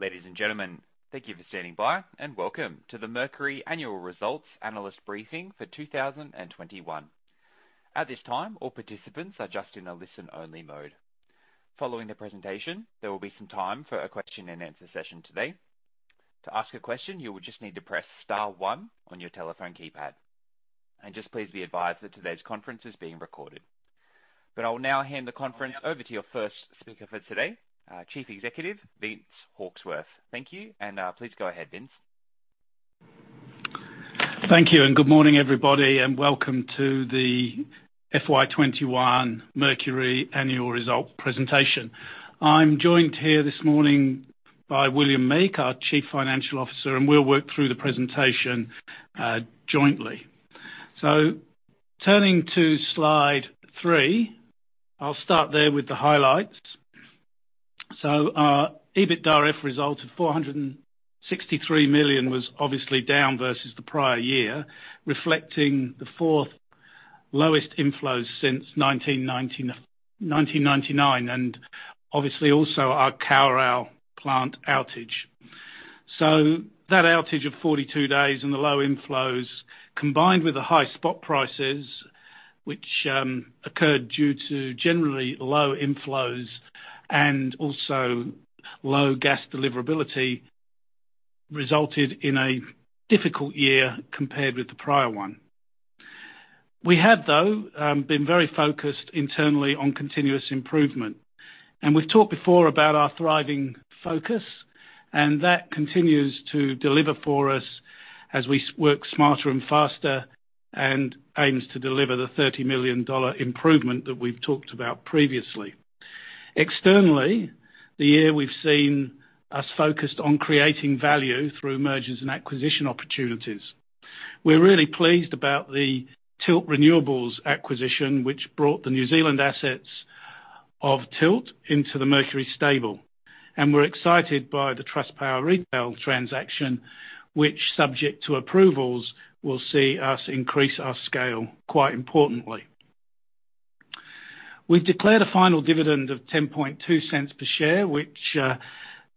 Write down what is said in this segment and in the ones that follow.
Ladies and gentlemen, thank you for standing by, and welcome to the Mercury annual results analyst briefing for 2021. At this time, all participants are just in a listen-only mode. Following the presentation, there will be some time for a question-and-answer session today. To ask a question, you will just need to press star one on your telephone keypad. Just please be advised that today's conference is being recorded. I will now hand the conference over to your first speaker for today, Chief Executive, Vince Hawksworth. Thank you, and please go ahead, Vince. Thank you, good morning, everybody, and welcome to the FY 2021 Mercury annual result presentation. I'm joined here this morning by William Meek, our Chief Financial Officer, and we'll work through the presentation jointly. Turning to slide three, I'll start there with the highlights. Our EBITDAF result of 463 million was obviously down versus the prior year, reflecting the 4th lowest inflows since 1999, and obviously also our Kawerau plant outage. That outage of 42 days and the low inflows, combined with the high spot prices, which occurred due to generally low inflows and also low gas deliverability, resulted in a difficult year compared with the prior one. We have, though, been very focused internally on continuous improvement. We've talked before about our thriving focus and that continues to deliver for us as we work smarter and faster and aims to deliver the 30 million dollar improvement that we've talked about previously. Externally, the year we've seen us focused on creating value through mergers and acquisition opportunities. We're really pleased about the Tilt Renewables acquisition, which brought the New Zealand assets of Tilt into the Mercury stable. We're excited by the Trustpower retail transaction, which subject to approvals, will see us increase our scale quite importantly. We've declared a final dividend of 0.102 per share, which,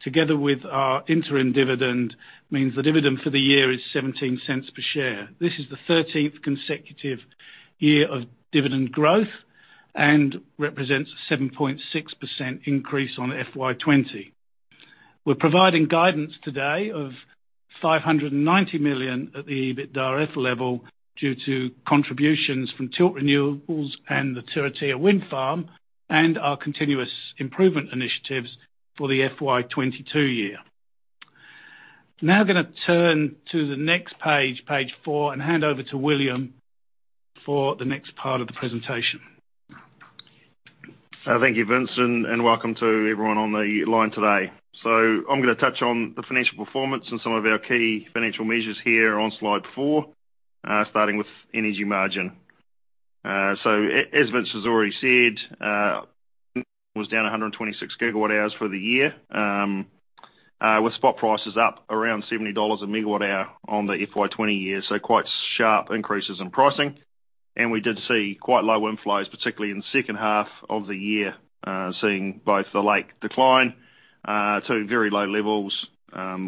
together with our interim dividend, means the dividend for the year is 0.17 per share. This is the 13th consecutive year of dividend growth and represents a 7.6% increase on FY 2020. We're providing guidance today of 590 million at the EBITDAF level due to contributions from Tilt Renewables and the Turitea Wind Farm and our continuous improvement initiatives for the FY 2022 year. Now going to turn to the next page four, and hand over to William for the next part of the presentation. Thank you, Vince, welcome to everyone on the line today. I'm going to touch on the financial performance and some of our key financial measures here on slide four, starting with energy margin. As Vince has already said, was down 126 GWh for the year, with spot prices up around 70 dollars/MWh on the FY 2020 year. Quite sharp increases in pricing. We did see quite low inflows, particularly in the second half of the year, seeing both the lake decline to very low levels,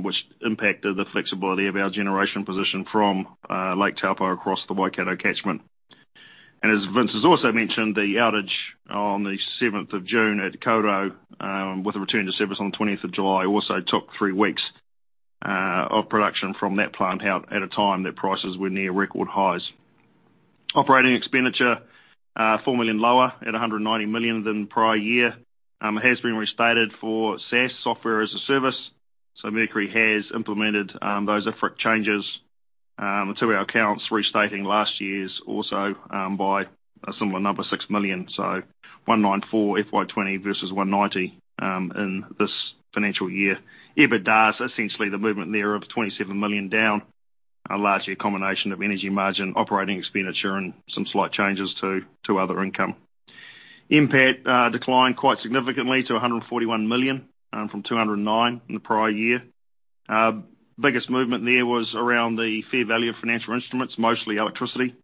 which impacted the flexibility of our generation position from Lake Taupō across the Waikato catchment. As Vince has also mentioned, the outage on the 7th of June at Kawerau, with a return to service on the 20th of July, also took three weeks of production from that plant out at a time that prices were near record highs. Operating expenditure, 4 million lower at 190 million than the prior year. It has been restated for SaaS, software as a service. Mercury has implemented those IFRIC changes to our accounts, restating last year's also by a similar number, 6 million. 194 million FY 2020 versus 190 million in this financial year. EBITDAF, essentially the movement there of 27 million down, a large combination of energy margin, operating expenditure and some slight changes to other income. NPAT declined quite significantly to 141 million from 209 million in the prior year. Biggest movement there was around the fair value of financial instruments, mostly electricity.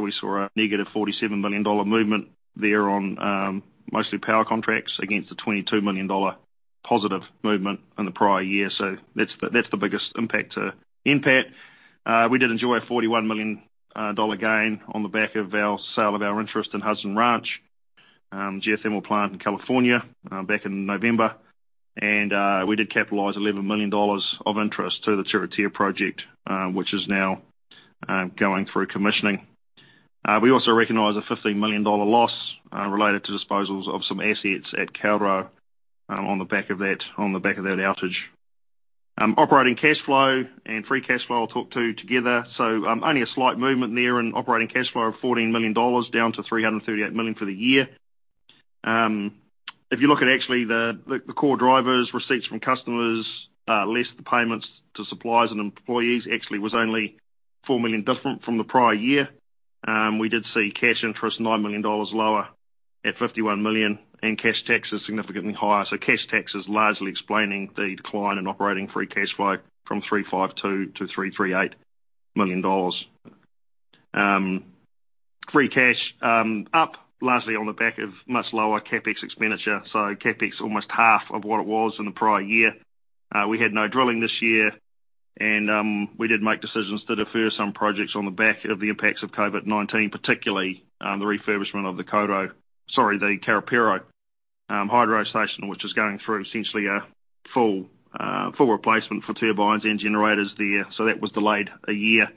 We saw a negative 47 million dollar movement there on mostly power contracts against the 22 million dollar positive movement in the prior year. That's the biggest impact to NPAT. We did enjoy a 41 million dollar gain on the back of our sale of our interest in Hudson Ranch geothermal plant in California back in November, and we did capitalize 11 million dollars of interest to the Turitea project, which is now going through commissioning. We also recognize a 15 million dollar loss related to disposals of some assets at Kawerau on the back of that outage. Operating cash flow and free cash flow I'll talk to together. Only a slight movement there in operating cash flow of 14 million dollars down to 338 million for the year. If you look at actually the core drivers, receipts from customers less the payments to suppliers and employees actually was only 4 million different from the prior year. We did see cash interest 9 million dollars lower at 51 million and cash tax is significantly higher. Cash tax is largely explaining the decline in operating free cash flow from 352 million to 338 million dollars. Free cash up largely on the back of much lower CapEx expenditure. CapEx almost half of what it was in the prior year. We had no drilling this year, and we did make decisions to defer some projects on the back of the impacts of COVID-19, particularly the refurbishment of the Karāpiro hydro station, which is going through essentially a full replacement for turbines and generators there. That was delayed one year,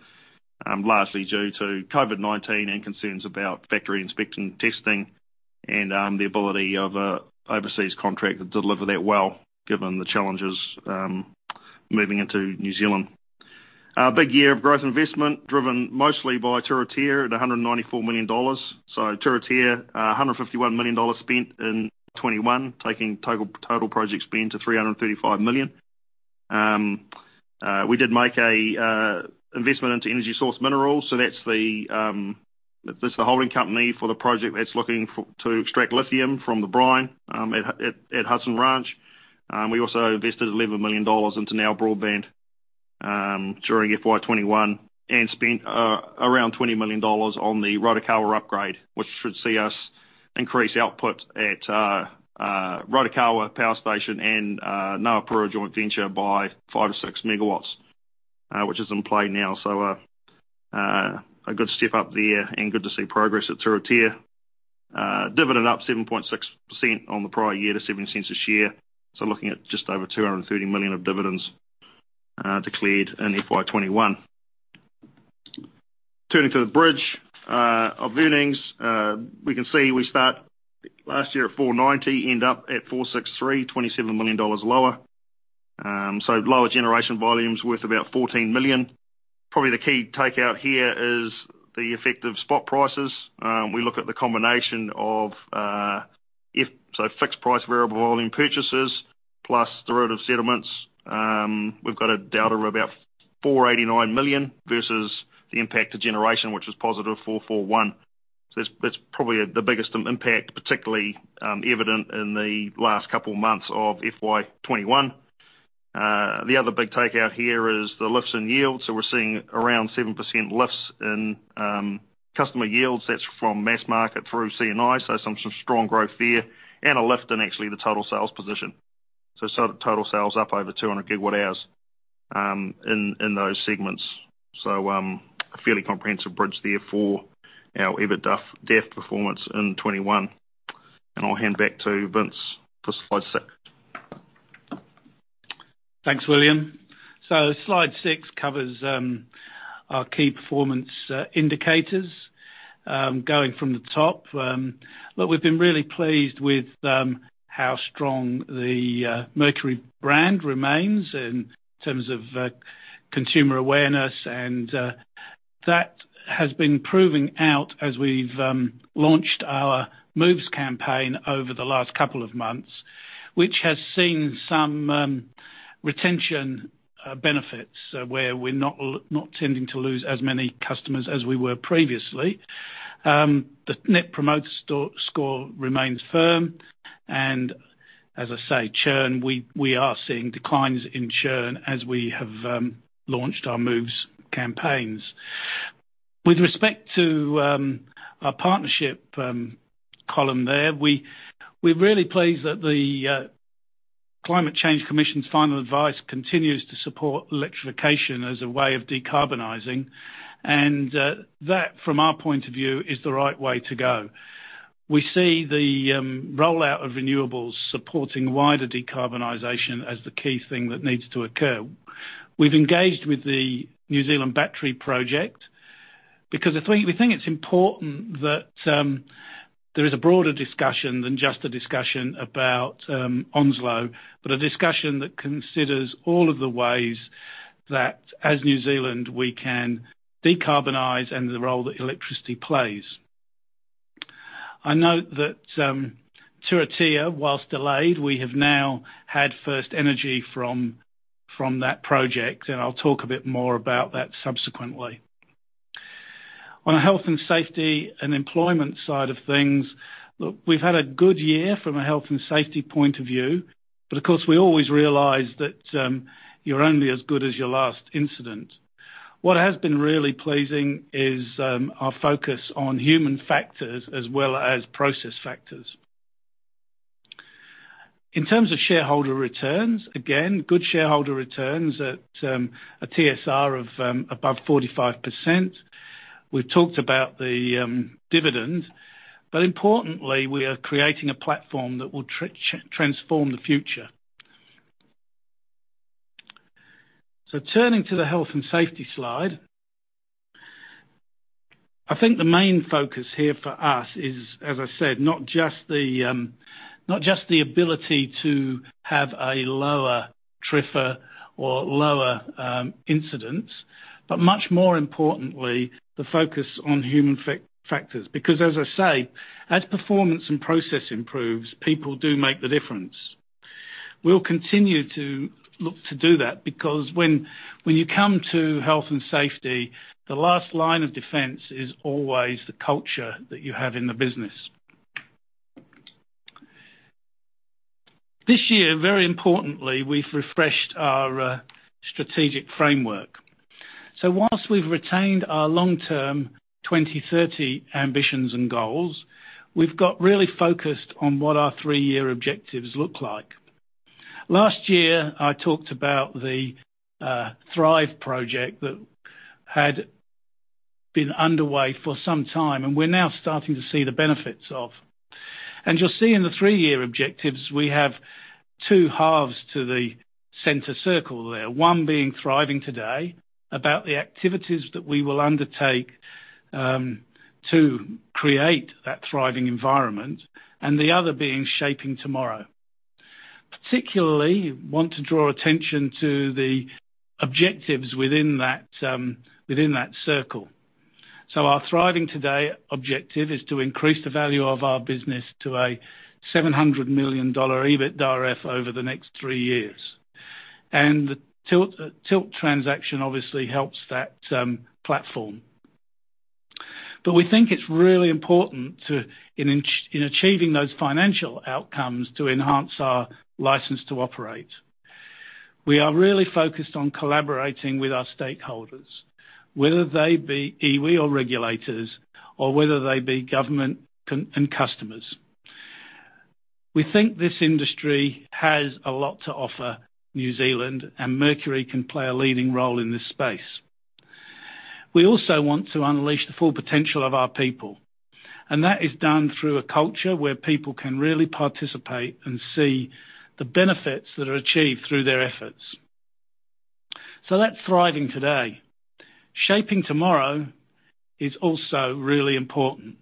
largely due to COVID-19 and concerns about factory inspection, testing, and the ability of a overseas contractor to deliver that well, given the challenges moving into New Zealand. A big year of growth investment, driven mostly by Turitea at 194 million dollars. Turitea, 151 million dollars spent in 2021, taking total project spend to 335 million. We did make an investment into EnergySource Minerals. That's the holding company for the project that's looking to extract lithium from the brine at Hudson Ranch. We also invested 11 million dollars into NOW Broadband during FY 2021 and spent around 20 million dollars on the Rotokawa upgrade, which should see us increase output at Rotokawa Power Station and Nga Awa Purua Joint Venture by 5 MW or 6 MW, which is in play now. A good step up there and good to see progress at Turitea. Dividend up 7.6% on the prior year to 0.07 a share. Looking at just over 230 million of dividends declared in FY 2021. Turning to the bridge of earnings. We can see we start last year at 490 million, end up at 463 million, 27 million dollars lower. Lower generation volumes worth about 14 million. Probably the key takeout here is the effect of spot prices. We look at the combination of fixed price, variable volume purchases plus derivative settlements. We've got a delta of about 489 million versus the impact to generation, which is positive 441 million. That's probably the biggest impact, particularly evident in the last couple of months of FY 2021. The other big takeout here is the lifts in yield. We're seeing around 7% lifts in customer yields. That's from mass market through C&I, some strong growth there and a lift in actually the total sales position. Total sales up over 200 GWh in those segments. A fairly comprehensive bridge there for our EBITDAF performance in 2021. I'll hand back to Vince for slide six. Thanks, William. Slide six covers our key performance indicators. Going from the top, look, we've been really pleased with how strong the Mercury brand remains in terms of consumer awareness, and that has been proving out as we've launched our Moves campaign over the last couple of months, which has seen some retention benefits where we're not tending to lose as many customers as we were previously. The net promoter score remains firm, and as I say, churn, we are seeing declines in churn as we have launched our Mercury Movers campaigns. With respect to our partnership column there, we're really pleased that the Climate Change Commission's final advice continues to support electrification as a way of decarbonizing, and that, from our point of view, is the right way to go. We see the rollout of renewables supporting wider decarbonization as the key thing that needs to occur. We've engaged with the New Zealand Battery Project because we think it's important that there is a broader discussion than just a discussion about Onslow, but a discussion that considers all of the ways that as New Zealand we can decarbonize and the role that electricity plays. I note that Turitea, whilst delayed, we have now had first energy from that project, and I'll talk a bit more about that subsequently. On the health and safety and employment side of things, look, we've had a good year from a health and safety point of view. Of course, we always realize that you're only as good as your last incident. What has been really pleasing is our focus on human factors as well as process factors. In terms of shareholder returns, again, good shareholder returns at a TSR of above 45%. We've talked about the dividend, but importantly, we are creating a platform that will transform the future. Turning to the health and safety slide. I think the main focus here for us is, as I said, not just the ability to have a lower TRIFR or lower incidents, but much more importantly, the focus on human factors. As I say, as performance and process improves, people do make the difference. We'll continue to look to do that because when you come to health and safety, the last line of defense is always the culture that you have in the business. This year, very importantly, we've refreshed our strategic framework. Whilst we've retained our long-term 2030 ambitions and goals, we've got really focused on what our three-year objectives look like. Last year, I talked about the Thrive project that had been underway for some time, and we're now starting to see the benefits of. You'll see in the three-year objectives, we have two halves to the center circle there, one being Thriving Today about the activities that we will undertake to create that thriving environment, and the other being Shaping Tomorrow. Particularly, I want to draw attention to the objectives within that circle. Our Thriving Today objective is to increase the value of our business to 700 million dollar EBITDAF over the next three years. The Tilt transaction obviously helps that platform. We think it's really important in achieving those financial outcomes to enhance our license to operate. We are really focused on collaborating with our stakeholders, whether they be iwi or regulators or whether they be government and customers. We think this industry has a lot to offer New Zealand, and Mercury can play a leading role in this space. We also want to unleash the full potential of our people, and that is done through a culture where people can really participate and see the benefits that are achieved through their efforts. That's Thriving Today. Shaping Tomorrow is also really important.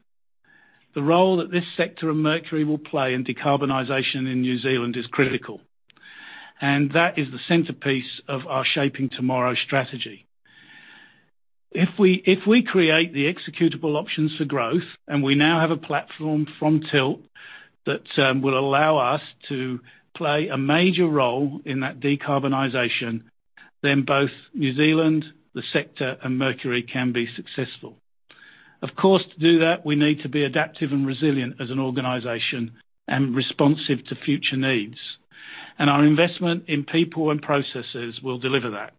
The role that this sector of Mercury will play in decarbonization in New Zealand is critical, and that is the centerpiece of our Shaping Tomorrow strategy. If we create the executable options for growth, and we now have a platform from Tilt that will allow us to play a major role in that decarbonization, then both New Zealand, the sector, and Mercury can be successful. Of course, to do that, we need to be adaptive and resilient as an organization and responsive to future needs. Our investment in people and processes will deliver that.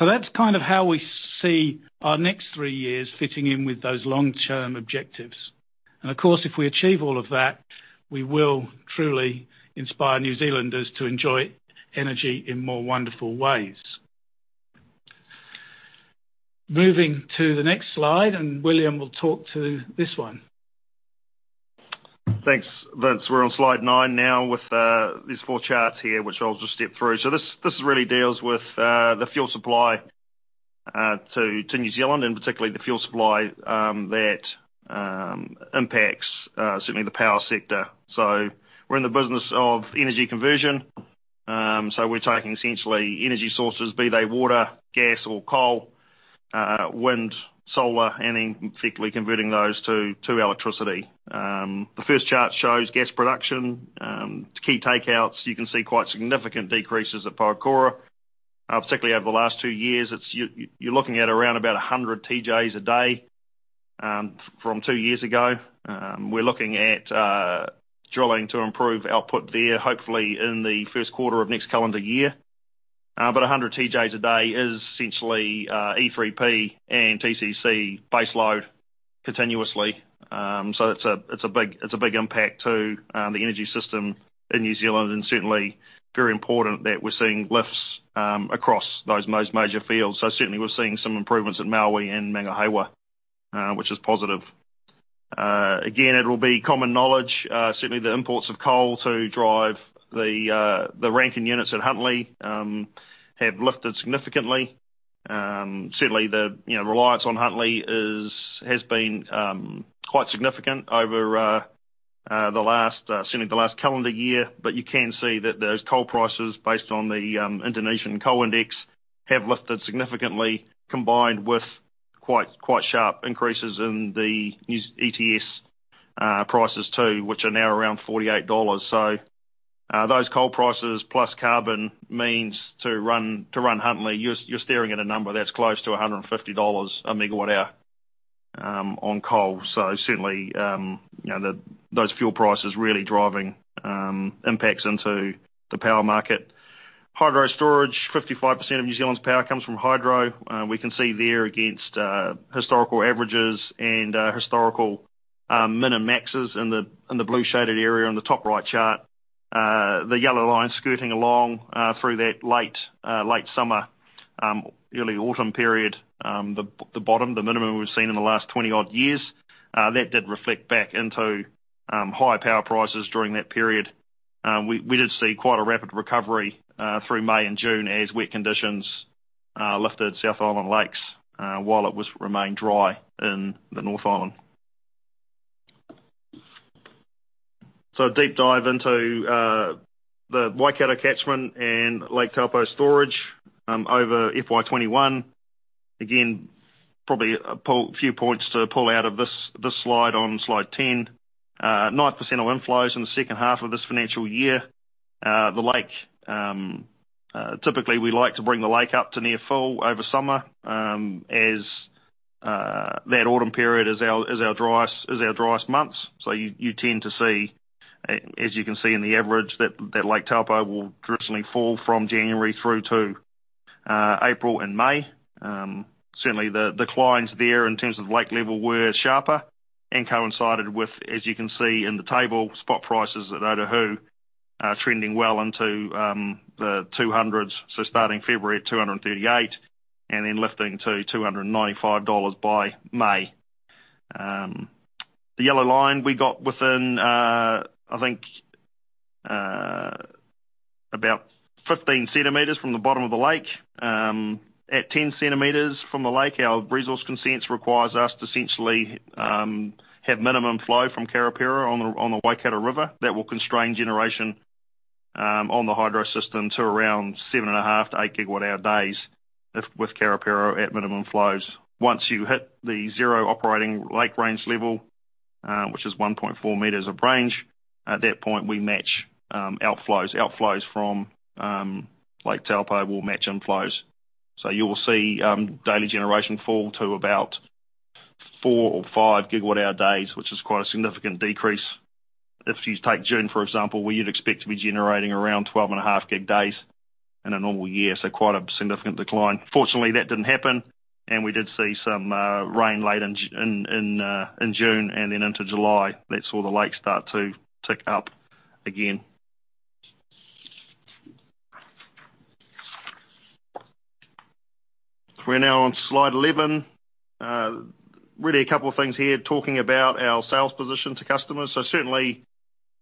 That's kind of how we see our next three years fitting in with those long-term objectives. Of course, if we achieve all of that, we will truly inspire New Zealanders to enjoy energy in more wonderful ways. Moving to the next slide, William will talk to this one. Thanks, Vince. We're on slide nine now with these four charts here, which I'll just step through. This really deals with the fuel supply to New Zealand and particularly the fuel supply that impacts certainly the power sector. We're in the business of energy conversion, we're taking essentially energy sources, be they water, gas or coal, wind, solar, and effectively converting those to electricity. The first chart shows gas production. Key takeouts, you can see quite significant decreases at Pohokura, particularly over the last two years. You're looking at around about 100 TJs a day from two years ago. We're looking at drilling to improve output there, hopefully in the first quarter of next calendar year. 100 TJs a day is essentially E3P and TCC base load continuously. It's a big impact to the energy system in New Zealand and certainly very important that we're seeing lifts across those most major fields. Certainly, we're seeing some improvements at Maui and Mangahewa, which is positive. Again, it will be common knowledge, certainly the imports of coal to drive the Rankine units at Huntly have lifted significantly. Certainly, the reliance on Huntly has been quite significant over certainly the last calendar year. You can see that those coal prices based on the Indonesian Coal Index have lifted significantly, combined with quite sharp increases in the NZ ETS prices too, which are now around 48 dollars. Those coal prices plus carbon means to run Huntly, you're staring at a number that's close to 150 dollars/MWh on coal. Certainly, those fuel prices really driving impacts into the power market. Hydro storage, 55% of New Zealand's power comes from hydro. We can see there against historical averages and historical min and maxes in the blue shaded area on the top right chart. The yellow line skirting along through that late summer, early autumn period. The bottom, the minimum we've seen in the last 20-odd years. That did reflect back into higher power prices during that period. We did see quite a rapid recovery through May and June as wet conditions lifted South Island lakes while it remained dry in the North Island. Deep dive into the Waikato catchment and Lake Taupō storage over FY 2021. Again, probably a few points to pull out of this slide on slide 10. 9% of inflows in the second half of this financial year. Typically, we like to bring the lake up to near full over summer, as that autumn period is our driest months. You tend to see, as you can see in the average, that Lake Taupō will traditionally fall from January through to April and May. Certainly, the declines there in terms of lake level were sharper and coincided with, as you can see in the table, spot prices at Otahuhu trending well into the NZD 200s. Starting February at 238 and then lifting to 295 dollars by May. The yellow line we got within, I think, about 15 cm from the bottom of the lake. At 10 cm from the lake, our resource consents requires us to essentially have minimum flow from Karāpiro on the Waikato River that will constrain generation on the hydro system to around 7.5 GWh-8 GWh days with Karāpiro at minimum flows. Once you hit the zero operating lake range level, which is 1.4 m of range, at that point, we match outflows. Outflows from Lake Taupō will match inflows. You will see daily generation fall to about 4 GWh or 5 GWh days, which is quite a significant decrease. If you take June, for example, where you'd expect to be generating around 12.5 GWh days in a normal year, so quite a significant decline. Fortunately, that didn't happen, and we did see some rain late in June and then into July that saw the lake start to tick up again. We're now on slide 11. Really a couple of things here, talking about our sales position to customers. Certainly,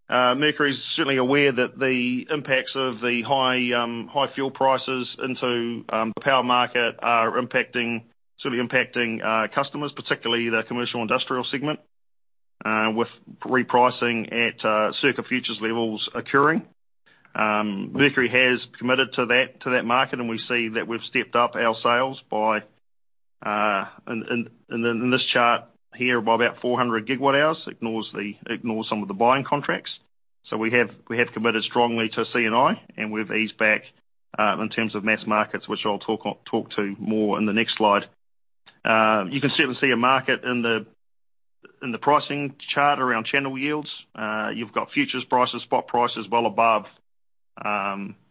Mercury is certainly aware that the impacts of the high fuel prices into the power market are impacting customers, particularly the commercial industrial segment, with repricing at circa futures levels occurring. Mercury has committed to that market, and we see that we've stepped up our sales by, in this chart here, by about 400 GWh. Ignores some of the buying contracts. We have committed strongly to C&I, and we've eased back, in terms of mass markets, which I'll talk to more in the next slide. You can certainly see a market in the pricing chart around channel yields. You've got futures prices, spot prices well above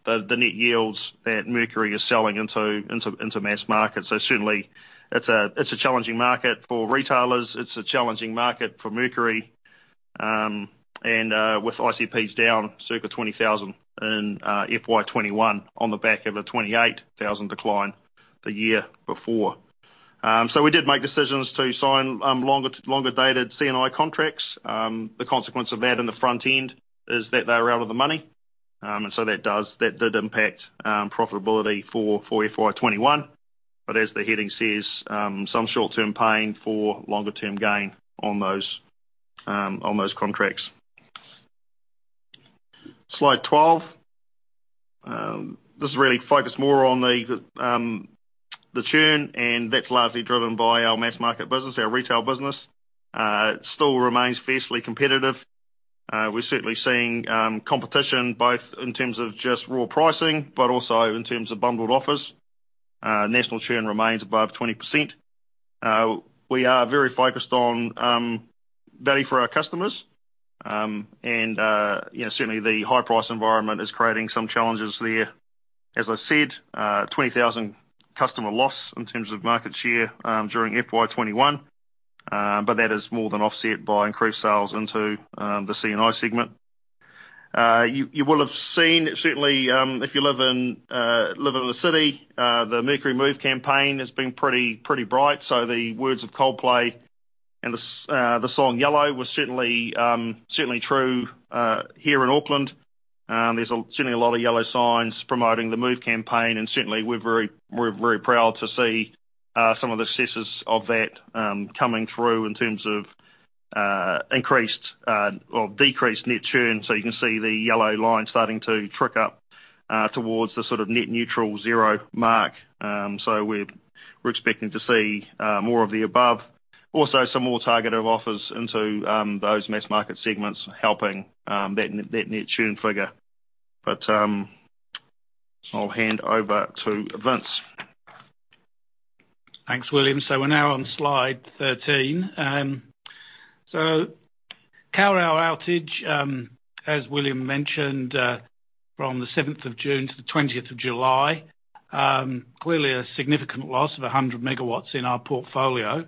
the net yields that Mercury is selling into mass market. Certainly, it's a challenging market for retailers. It's a challenging market for Mercury. With ICPs down circa 20,000 in FY 2021 on the back of a 28,000 decline the year before. We did make decisions to sign longer-dated C&I contracts. The consequence of that in the front end is that they were out of the money. That did impact profitability for FY 2021. As the heading says, some short-term pain for longer-term gain on those contracts. Slide 12. This is really focused more on the churn, and that's largely driven by our mass market business, our retail business. It still remains fiercely competitive. We're certainly seeing competition both in terms of just raw pricing, but also in terms of bundled offers. National churn remains above 20%. We are very focused on value for our customers. Certainly, the high price environment is creating some challenges there. As I said, 20,000 customer loss in terms of market share during FY 2021, that is more than offset by increased sales into the C&I segment. You will have seen, certainly, if you live in the city, the Mercury Move campaign has been pretty bright. The words of Coldplay and the song "Yellow" was certainly true here in Auckland. There's certainly a lot of yellow signs promoting the Move campaign, certainly, we're very proud to see some of the successes of that coming through in terms of decreased net churn. You can see the yellow line starting to trick up towards the sort of net neutral zero mark. We're expecting to see more of the above. Also, some more targeted offers into those mass market segments, helping that net churn figure. I'll hand over to Vince. Thanks, William. We're now on slide 13. Kawerau outage, as William mentioned, from the 7th of June to the 20th of July. Clearly a significant loss of 100 MW in our portfolio.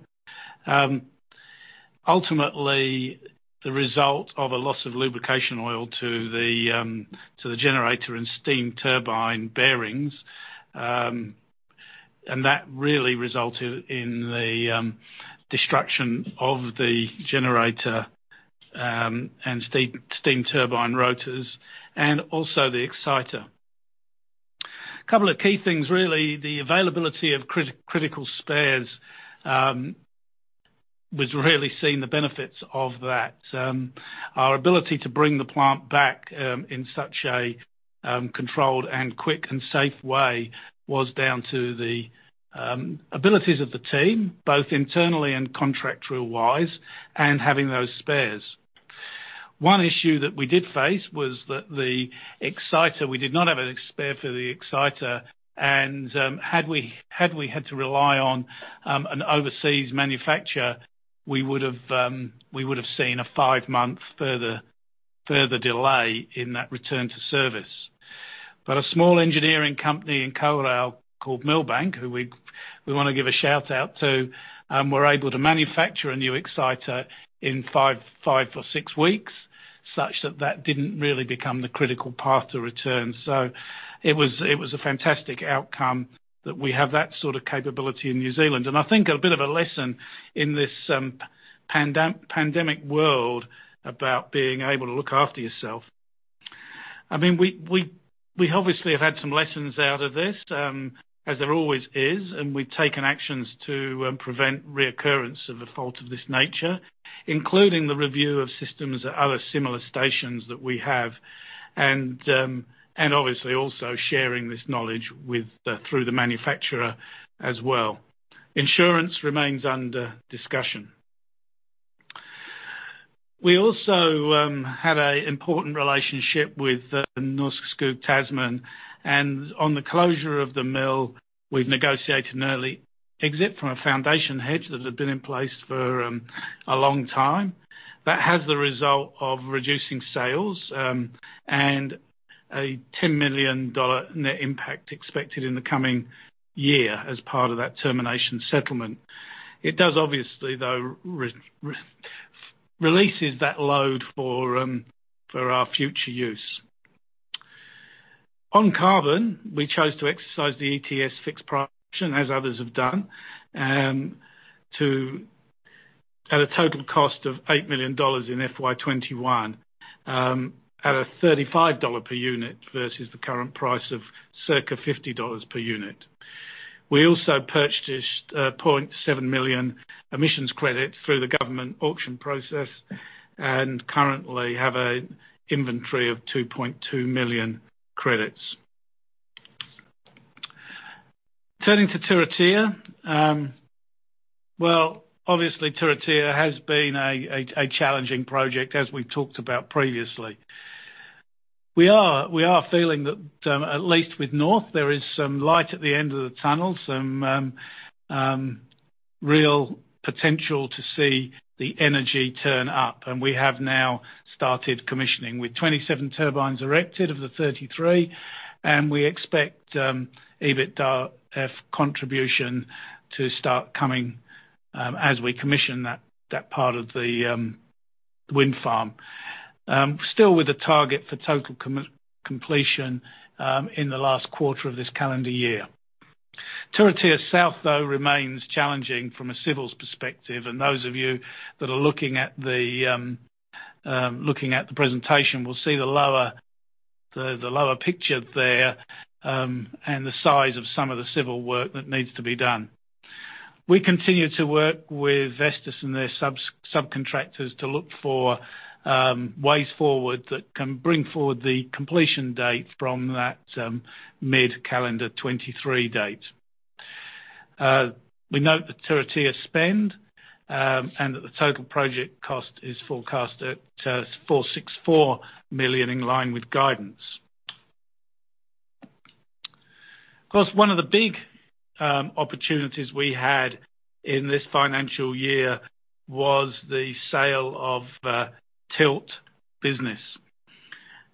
Ultimately, the result of a loss of lubrication oil to the generator and steam turbine bearings, and that really resulted in the destruction of the generator and steam turbine rotors and also the exciter. A couple of key things, really, the availability of critical spares was really seeing the benefits of that. Our ability to bring the plant back in such a controlled and quick and safe way was down to the abilities of the team, both internally and contractual-wise, and having those spares. One issue that we did face was that we did not have a spare for the exciter, and had we had to rely on an overseas manufacturer, we would have seen a five-month further delay in that return to service. A small engineering company in Kawerau called Milbank, who we want to give a shout-out to, were able to manufacture a new exciter in five or six weeks, such that that didn't really become the critical path to return. It was a fantastic outcome that we have that sort of capability in New Zealand. I think a bit of a lesson in this pandemic world about being able to look after yourself. We obviously have had some lessons out of this, as there always is, and we've taken actions to prevent recurrence of a fault of this nature, including the review of systems at other similar stations that we have, and obviously also sharing this knowledge through the manufacturer as well. Insurance remains under discussion. We also had an important relationship with Norske Skog Tasman, On the closure of the mill, we've negotiated an early exit from a foundation hedge that had been in place for a long time. That has the result of reducing sales and a 10 million dollar net impact expected in the coming year as part of that termination settlement. It does obviously, though, releases that load for our future use. On carbon, we chose to exercise the ETS fixed price option, as others have done, at a total cost of 8 million dollars in FY 2021, at a 35 dollar per unit versus the current price of circa 50 dollars per unit. We also purchased 0.7 million emissions credit through the government auction process and currently have an inventory of 2.2 million credits. Turning to Turitea. Well, obviously Turitea has been a challenging project, as we've talked about previously. We are feeling that, at least with North, there is some light at the end of the tunnel, some real potential to see the energy turn up. We have now started commissioning, with 27 turbines erected of the 33, and we expect EBITDAF contribution to start coming as we commission that part of the wind farm. Still with a target for total completion in the last quarter of this calendar year. Turitea South, though, remains challenging from a civils perspective. Those of you that are looking at the presentation will see the lower picture there and the size of some of the civil work that needs to be done. We continue to work with Vestas and their subcontractors to look for ways forward that can bring forward the completion date from that mid-calendar 2023 date. We note the Turitea spend and that the total project cost is forecast at 464 million, in line with guidance. Of course, one of the big opportunities we had in this financial year was the sale of Tilt business.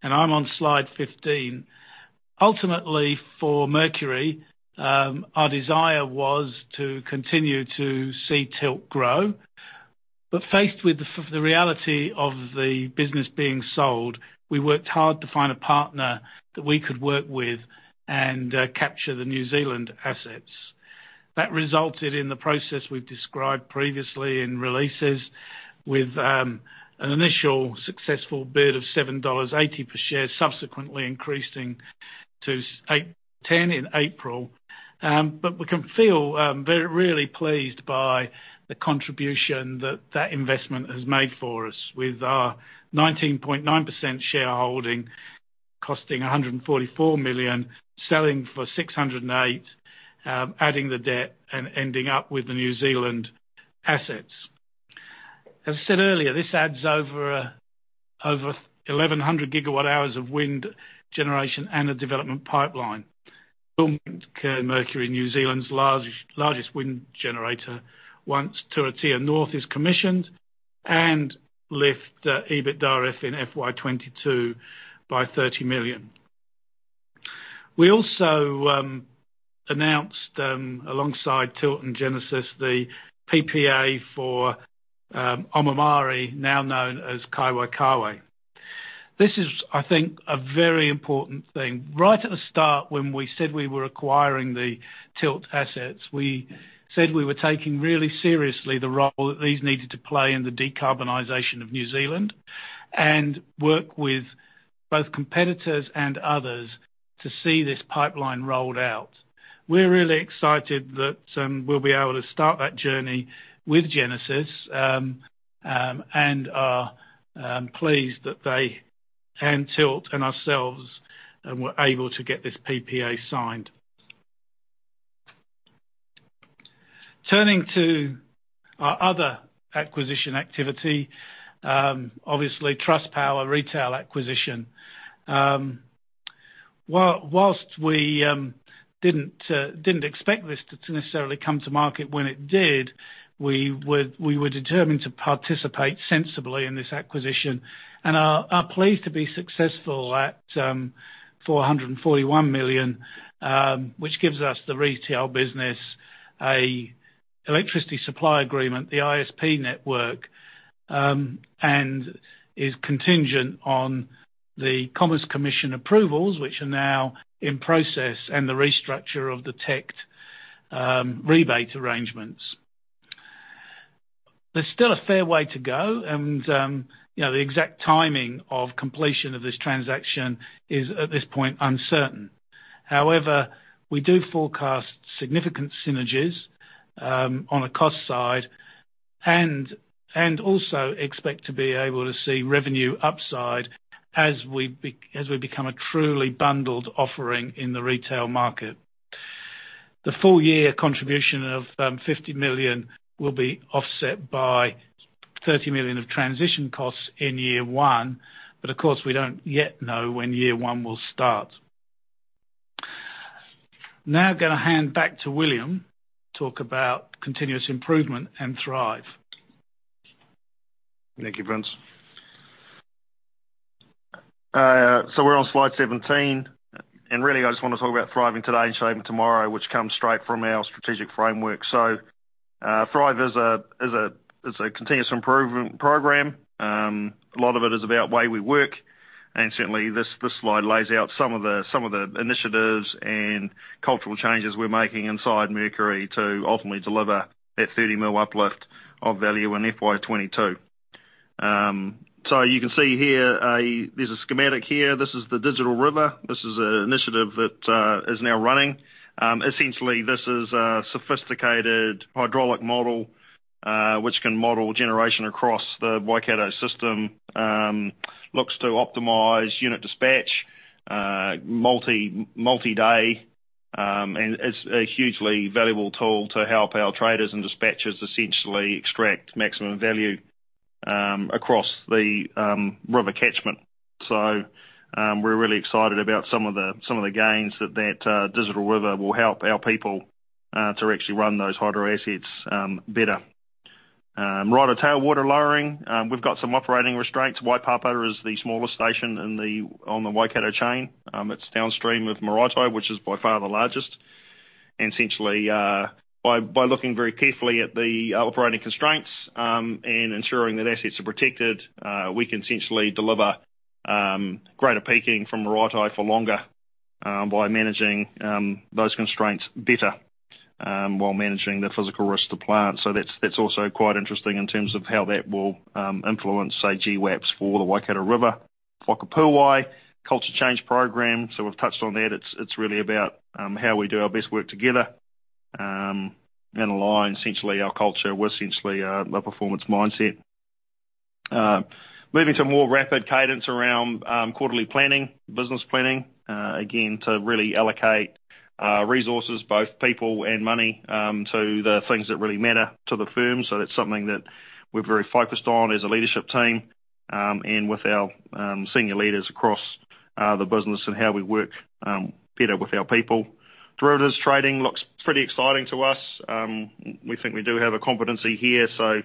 I'm on slide 15. Ultimately for Mercury, our desire was to continue to see Tilt grow. Faced with the reality of the business being sold, we worked hard to find a partner that we could work with and capture the New Zealand assets. That resulted in the process we've described previously in releases with an initial successful bid of 7.80 dollars per share, subsequently increasing to 8.10 in April. We can feel really pleased by the contribution that that investment has made for us, with our 19.9% shareholding costing 144 million, selling for 608 million, adding the debt and ending up with the New Zealand assets. As I said earlier, this adds over 1,100 gigawatt hours of wind generation and a development pipeline. Mercury, New Zealand's largest wind generator, once Turitea North is commissioned and lift EBITDAF in FY 2022 by 30 million. We also announced, alongside Tilt and Genesis, the PPA for Omamari, now known as Kaiwaikawe. This is, I think, a very important thing. Right at the start, when we said we were acquiring the Tilt assets, we said we were taking really seriously the role that these needed to play in the decarbonization of New Zealand and work with both competitors and others to see this pipeline rolled out. We're really excited that we'll be able to start that journey with Genesis and are pleased that they and Tilt and ourselves were able to get this PPA signed. Turning to our other acquisition activity, obviously, Trustpower retail acquisition. Whilst we didn't expect this to necessarily come to market when it did, we were determined to participate sensibly in this acquisition and are pleased to be successful at 441 million, which gives us the retail business, an electricity supply agreement, the ISP network, and is contingent on the Commerce Commission approvals, which are now in process and the restructure of the TECT rebate arrangements. There's still a fair way to go and the exact timing of completion of this transaction is, at this point, uncertain. We do forecast significant synergies on a cost side and also expect to be able to see revenue upside as we become a truly bundled offering in the retail market. The full year contribution of 50 million will be offset by 30 million of transition costs in year one. Of course, we don't yet know when year one will start. I'm going to hand back to William to talk about continuous improvement and Thrive. Thank you, Vince. We're on slide 17, and really I just want to talk about Thriving Today, Shaping Tomorrow, which comes straight from our strategic framework. Thrive is a continuous improvement program. A lot of it is about way we work, and certainly this slide lays out some of the initiatives and cultural changes we're making inside Mercury to ultimately deliver that 30 million uplift of value in FY 2022. You can see here, there's a schematic here. This is the Digital River. This is an initiative that is now running. Essentially, this is a sophisticated hydraulic model, which can model generation across the Waikato system, looks to optimize unit dispatch, multi-day, and is a hugely valuable tool to help our traders and dispatchers essentially extract maximum value across the river catchment. We're really excited about some of the gains that Digital River will help our people to actually run those hydro assets better. Maraetai water lowering. We've got some operating restraints. Waipapa is the smallest station on the Waikato chain. It's downstream of Maraetai, which is by far the largest. Essentially, by looking very carefully at the operating constraints, and ensuring that assets are protected, we can essentially deliver greater peaking from Maraetai for longer by managing those constraints better, while managing the physical risk to plant. That's also quite interesting in terms of how that will influence, say, GWAPS for the Waikato River. Whakapuāwai, our culture change program, we've touched on that. It's really about how we do our best work together and align essentially our culture with essentially a performance mindset. Moving to more rapid cadence around quarterly planning, business planning, again, to really allocate resources, both people and money, to the things that really matter to the firm. That's something that we're very focused on as a leadership team, and with our senior leaders across the business and how we work better with our people. Derivatives trading looks pretty exciting to us. We think we do have a competency here, so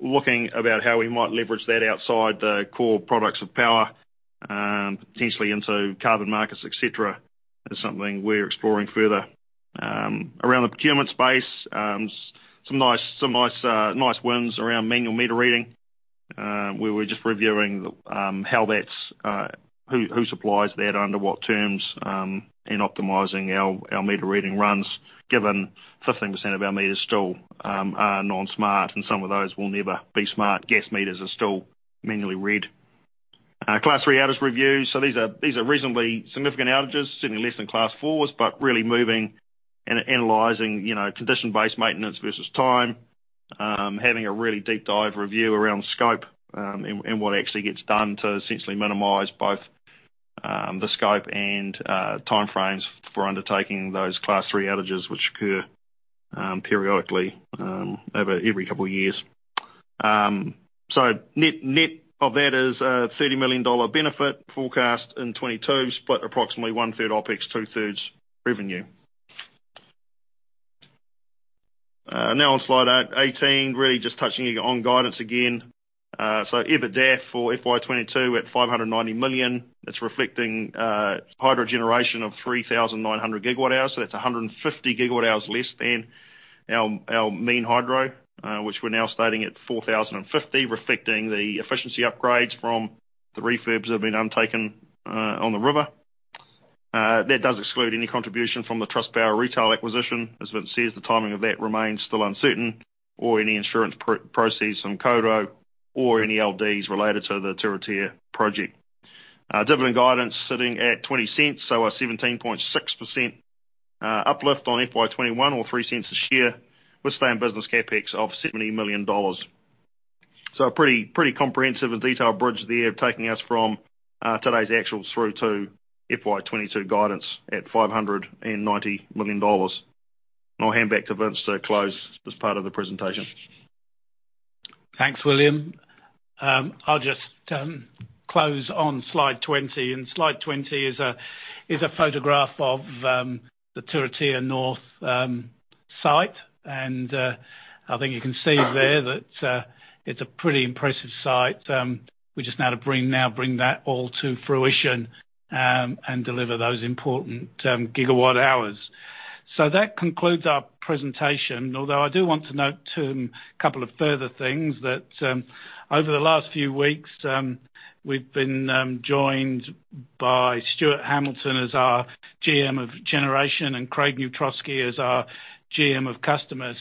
looking about how we might leverage that outside the core products of power, potentially into carbon markets, et cetera, is something we're exploring further. Around the procurement space, some nice wins around manual meter reading. We were just reviewing who supplies that, under what terms, and optimizing our meter reading runs, given 15% of our meters still are non-smart and some of those will never be smart. Gas meters are still manually read. Class 3 outage reviews. These are reasonably significant outages, certainly less than Class 4s, but really moving and analyzing condition-based maintenance versus time, having a really deep dive review around scope, and what actually gets done to essentially minimize both the scope and time frames for undertaking those Class 3 outages, which occur periodically over every couple years. Net of that is a 30 million dollar benefit forecast in 2022, split approximately 1/3 OpEx, 2/3 revenue. On slide 18, really just touching on guidance again. EBITDAF for FY 2022 at 590 million. It's reflecting hydro generation of 3,900 GWh. That's 150 GWh less than our mean hydro, which we're now stating at 4,050 GWh, reflecting the efficiency upgrades from the refurbs that have been undertaken on the river. That does exclude any contribution from the Trustpower retail acquisition. As Vince says, the timing of that remains still uncertain or any insurance proceeds from Kawerau or any LDs related to the Turitea project. Our dividend guidance sitting at 0.20, a 17.6% uplift on FY 2021 or 0.03 a share, with same business CapEx of 70 million dollars. A pretty comprehensive and detailed bridge there, taking us from today's actuals through to FY 2022 guidance at 590 million dollars. I'll hand back to Vince to close this part of the presentation. Thanks, William. I'll just close on slide 20. Slide 20 is a photograph of the Turitea North site. I think you can see there that it's a pretty impressive site. We just now to bring that all to fruition, and deliver those important gigawatt hours. That concludes our presentation, although I do want to note a couple of further things. Over the last few weeks, we've been joined by Stewart Hamilton as our GM of Generation and Craig Neustroski as our GM of Customers.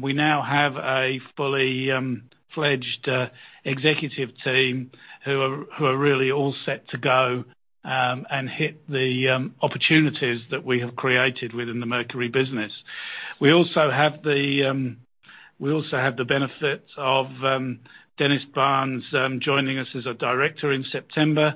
We now have a fully-fledged executive team who are really all set to go and hit the opportunities that we have created within the Mercury business. We also have the benefit of Dennis Barnes joining us as a Director in September.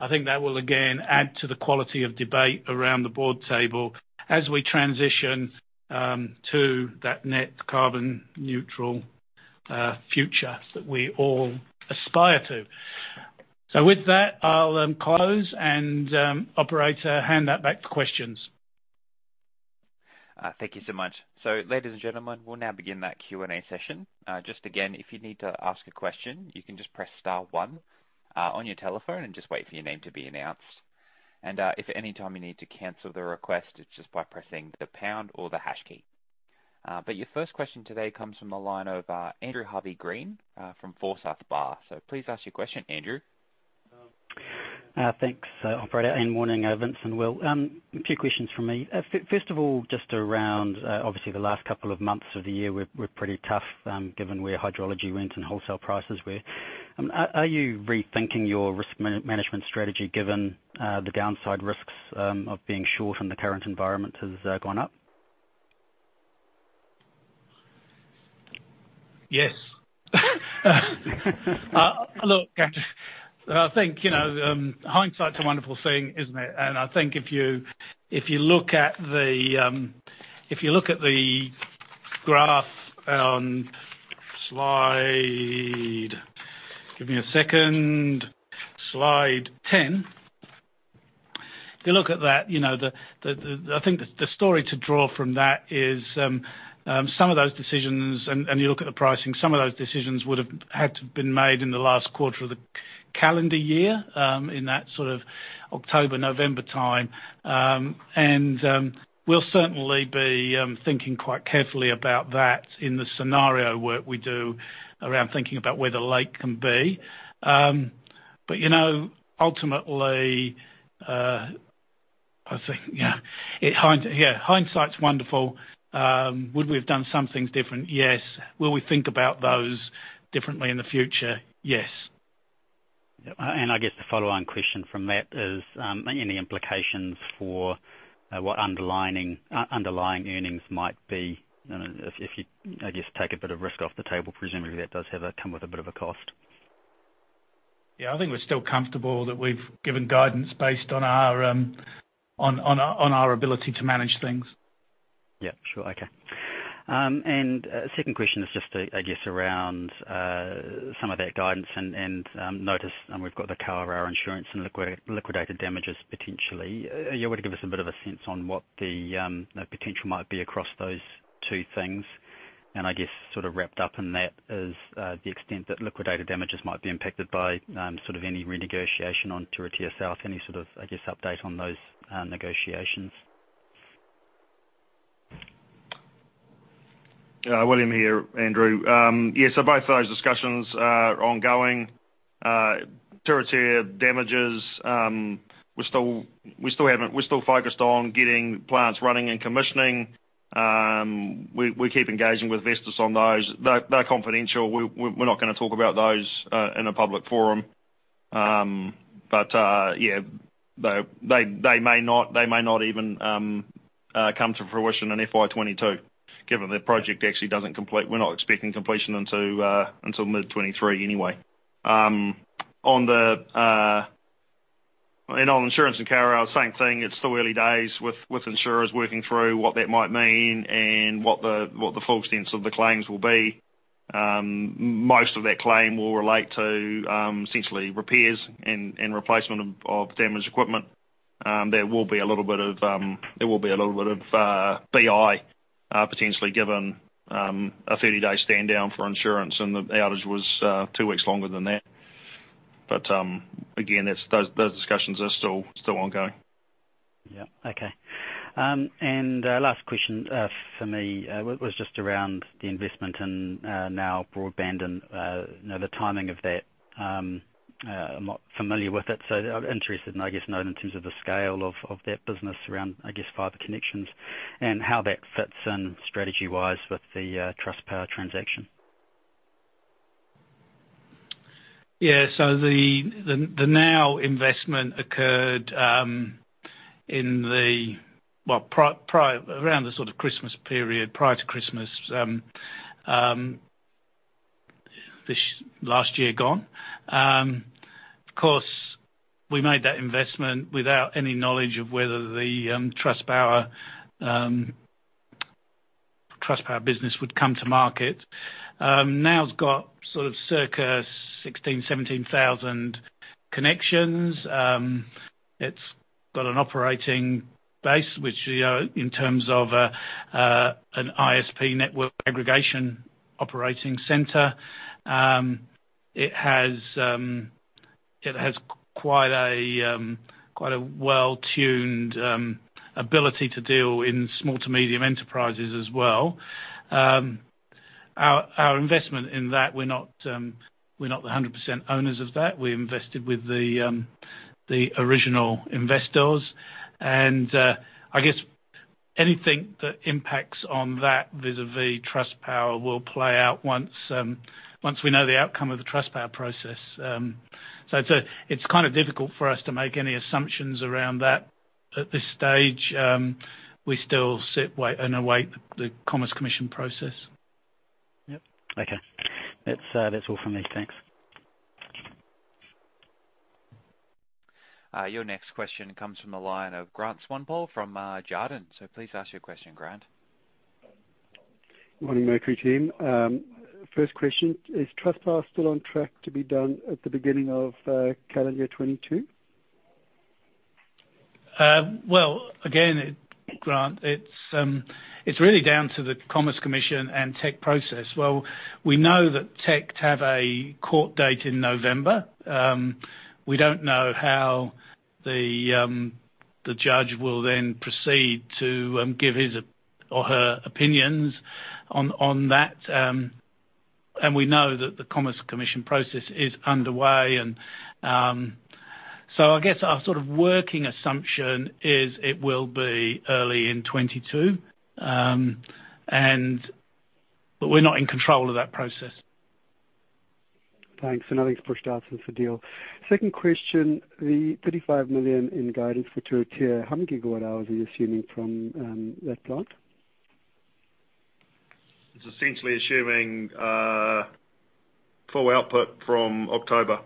I think that will, again, add to the quality of debate around the board table as we transition to that net carbon neutral future that we all aspire to. With that, I'll close, and operator, hand that back for questions. Thank you so much. Ladies and gentlemen, we'll now begin that Q&A session. Just again, if you need to ask a question, you can just press star one on your telephone and just wait for your name to be announced. If at any time you need to cancel the request, just by pressing the pound or the hash key. Your first question today comes from the line of Andrew Harvey-Green, from Forsyth Barr. Please ask your question, Andrew. Thanks, operator, and morning, Vince and Will. A few questions from me. First of all, just around, obviously the last couple of months of the year were pretty tough, given where hydrology went and wholesale prices were. Are you rethinking your risk management strategy given the downside risks of being short in the current environment has gone up? Yes. Look, I think, hindsight's a wonderful thing, isn't it? I think if you look at the graph on slide, give me a second, slide 10. If you look at that, I think the story to draw from that is, some of those decisions, and you look at the pricing, some of those decisions would have had to been made in the last quarter of the calendar year, in that sort of October, November time. We'll certainly be thinking quite carefully about that in the scenario work we do around thinking about where the lake can be. Ultimately, I think, yeah, hindsight's wonderful. Would we have done some things different? Yes. Will we think about those differently in the future? Yes. I guess the follow-on question from that is, any implications for what underlying earnings might be if you, I guess, take a bit of risk off the table, presumably that does have come with a bit of a cost. I think we're still comfortable that we've given guidance based on our ability to manage things. Yeah, sure. Okay. Second question is just, I guess, around some of that guidance and notice, and we've got the Kawerau insurance and liquidated damages, potentially. Are you able to give us a bit of a sense on what the potential might be across those two things? I guess, sort of wrapped up in that is the extent that liquidated damages might be impacted by any renegotiation on Turitea South. Any sort of, I guess, update on those negotiations? William here, Andrew. Yeah, both of those discussions are ongoing. Turitea damages, we're still focused on getting plants running and commissioning. We keep engaging with Vestas on those. They're confidential. We're not going to talk about those in a public forum. Yeah, they may not even come to fruition in FY 2022, given the project actually doesn't complete. We're not expecting completion until mid 2023 anyway. On insurance in Kawerau, same thing. It's still early days with insurers working through what that might mean and what the full extent of the claims will be. Most of that claim will relate to essentially repairs and replacement of damaged equipment. There will be a little bit of BI, potentially given a 30-day stand-down for insurance, and the outage was two weeks longer than that. Again, those discussions are still ongoing. Yeah. Okay. Last question for me, was just around the investment in NOW Broadband and the timing of that. I'm not familiar with it, so I'm interested in, I guess, knowing in terms of the scale of that business around, I guess, fiber connections and how that fits in strategy-wise with the Trustpower transaction. The NOW investment occurred around the Christmas period, prior to Christmas this last year gone. Of course, we made that investment without any knowledge of whether the Trustpower business would come to market. NOW has got circa 16,000, 17,000 connections. It's got an operating base, which in terms of an ISP network aggregation operating center. It has quite a well-tuned ability to deal in small to medium enterprises as well. Our investment in that, we're not the 100% owners of that. We invested with the original investors. I guess anything that impacts on that vis-a-vis Trustpower will play out once we know the outcome of the Trustpower process. It's difficult for us to make any assumptions around that at this stage. We still sit and await the Commerce Commission process. Yep. Okay. That's all from me. Thanks. Your next question comes from the line of Grant Swanepoel from Jarden. Please ask your question, Grant. Good morning, Mercury team. First question, is Trustpower still on track to be done at the beginning of calendar 2022? Well, again, Grant, it's really down to the Commerce Commission and TECT process. Well, we know that TECT have a court date in November. We don't know how the judge will then proceed to give his or her opinions on that. We know that the Commerce Commission process is underway. I guess our working assumption is it will be early in 2022. We're not in control of that process. Thanks. Nothing's pushed out since the deal. Second question, the 35 million in guidance for Turitea, how many gigawatt hours are you assuming from that plant? It's essentially assuming full output from October.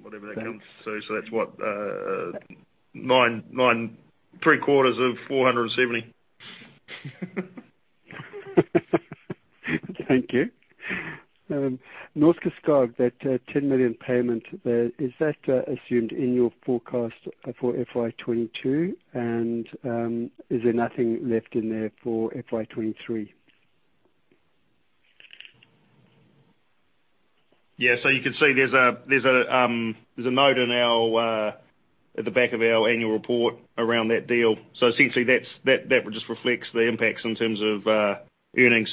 Whatever that comes to. That's what? 3/4 of 470. Thank you. Norske Skog, that 10 million payment there, is that assumed in your forecast for FY 2022 and is there nothing left in there for FY 2023? Yeah. You can see there's a note at the back of our annual report around that deal. Essentially that just reflects the impacts in terms of earnings.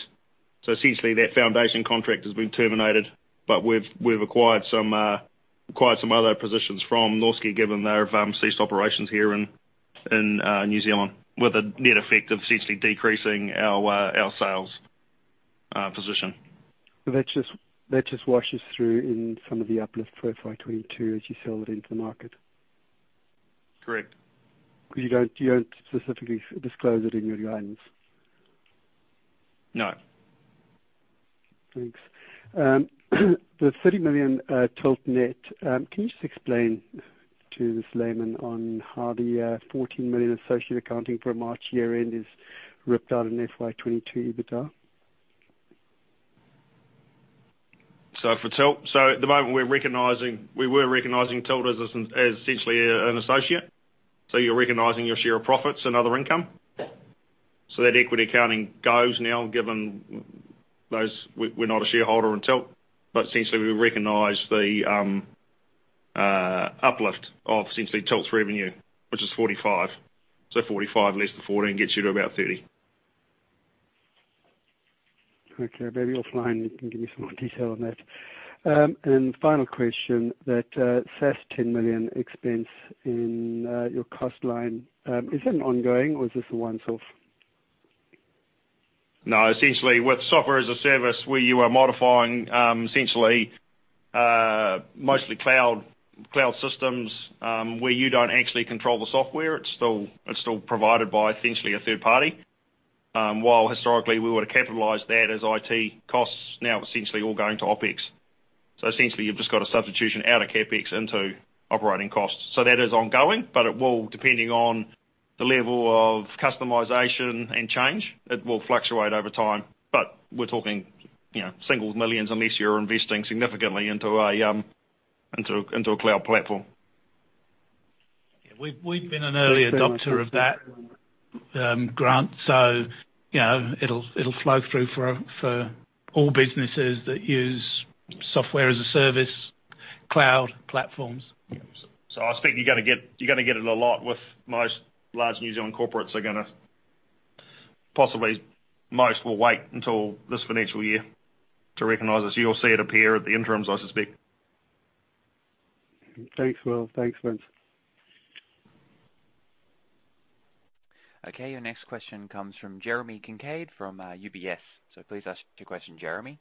Essentially that foundation contract has been terminated, but we've acquired some other positions from Norske, given they've ceased operations here in New Zealand, with a net effect of essentially decreasing our sales position. That just washes through in some of the uplift for FY 2022 as you sell it into the market? Correct. You don't specifically disclose it in your guidance. No. Thanks. The 30 million Tilt net, can you just explain to this layman on how the 14 million associate accounting for a March year-end is ripped out in FY 2022 EBITDA? For Tilt, at the moment we were recognizing Tilt as essentially an associate. You're recognizing your share of profits and other income. That equity accounting goes now, given we're not a shareholder in Tilt. Essentially, we recognize the uplift of essentially Tilt's revenue, which is 45 million. 45 million less the 14 million gets you to about 30. Okay. Maybe offline you can give me some more detail on that. Final question, that SaaS 10 million expense in your cost line, is that an ongoing or is this a once-off? No. Essentially with software as a service, where you are modifying essentially mostly cloud systems, where you don't actually control the software, it's still provided by essentially a third party. While historically we would've capitalized that as IT costs, now essentially all going to OpEx. Essentially you've just got a substitution out of CapEx into operating costs. That is ongoing, but it will, depending on the level of customization and change, it will fluctuate over time. We're talking single millions unless you're investing significantly into a cloud platform. We've been an early adopter of that, Grant, it'll flow through for all businesses that use software-as-a-service cloud platforms. Yep. I suspect you're going to get it a lot with most large New Zealand corporates Possibly most will wait until this financial year to recognize it. You'll see it appear at the interims, I suspect. Thanks, Will. Thanks, Vince. Okay. Your next question comes from Jeremy Kincaid from UBS. Please ask your question, Jeremy.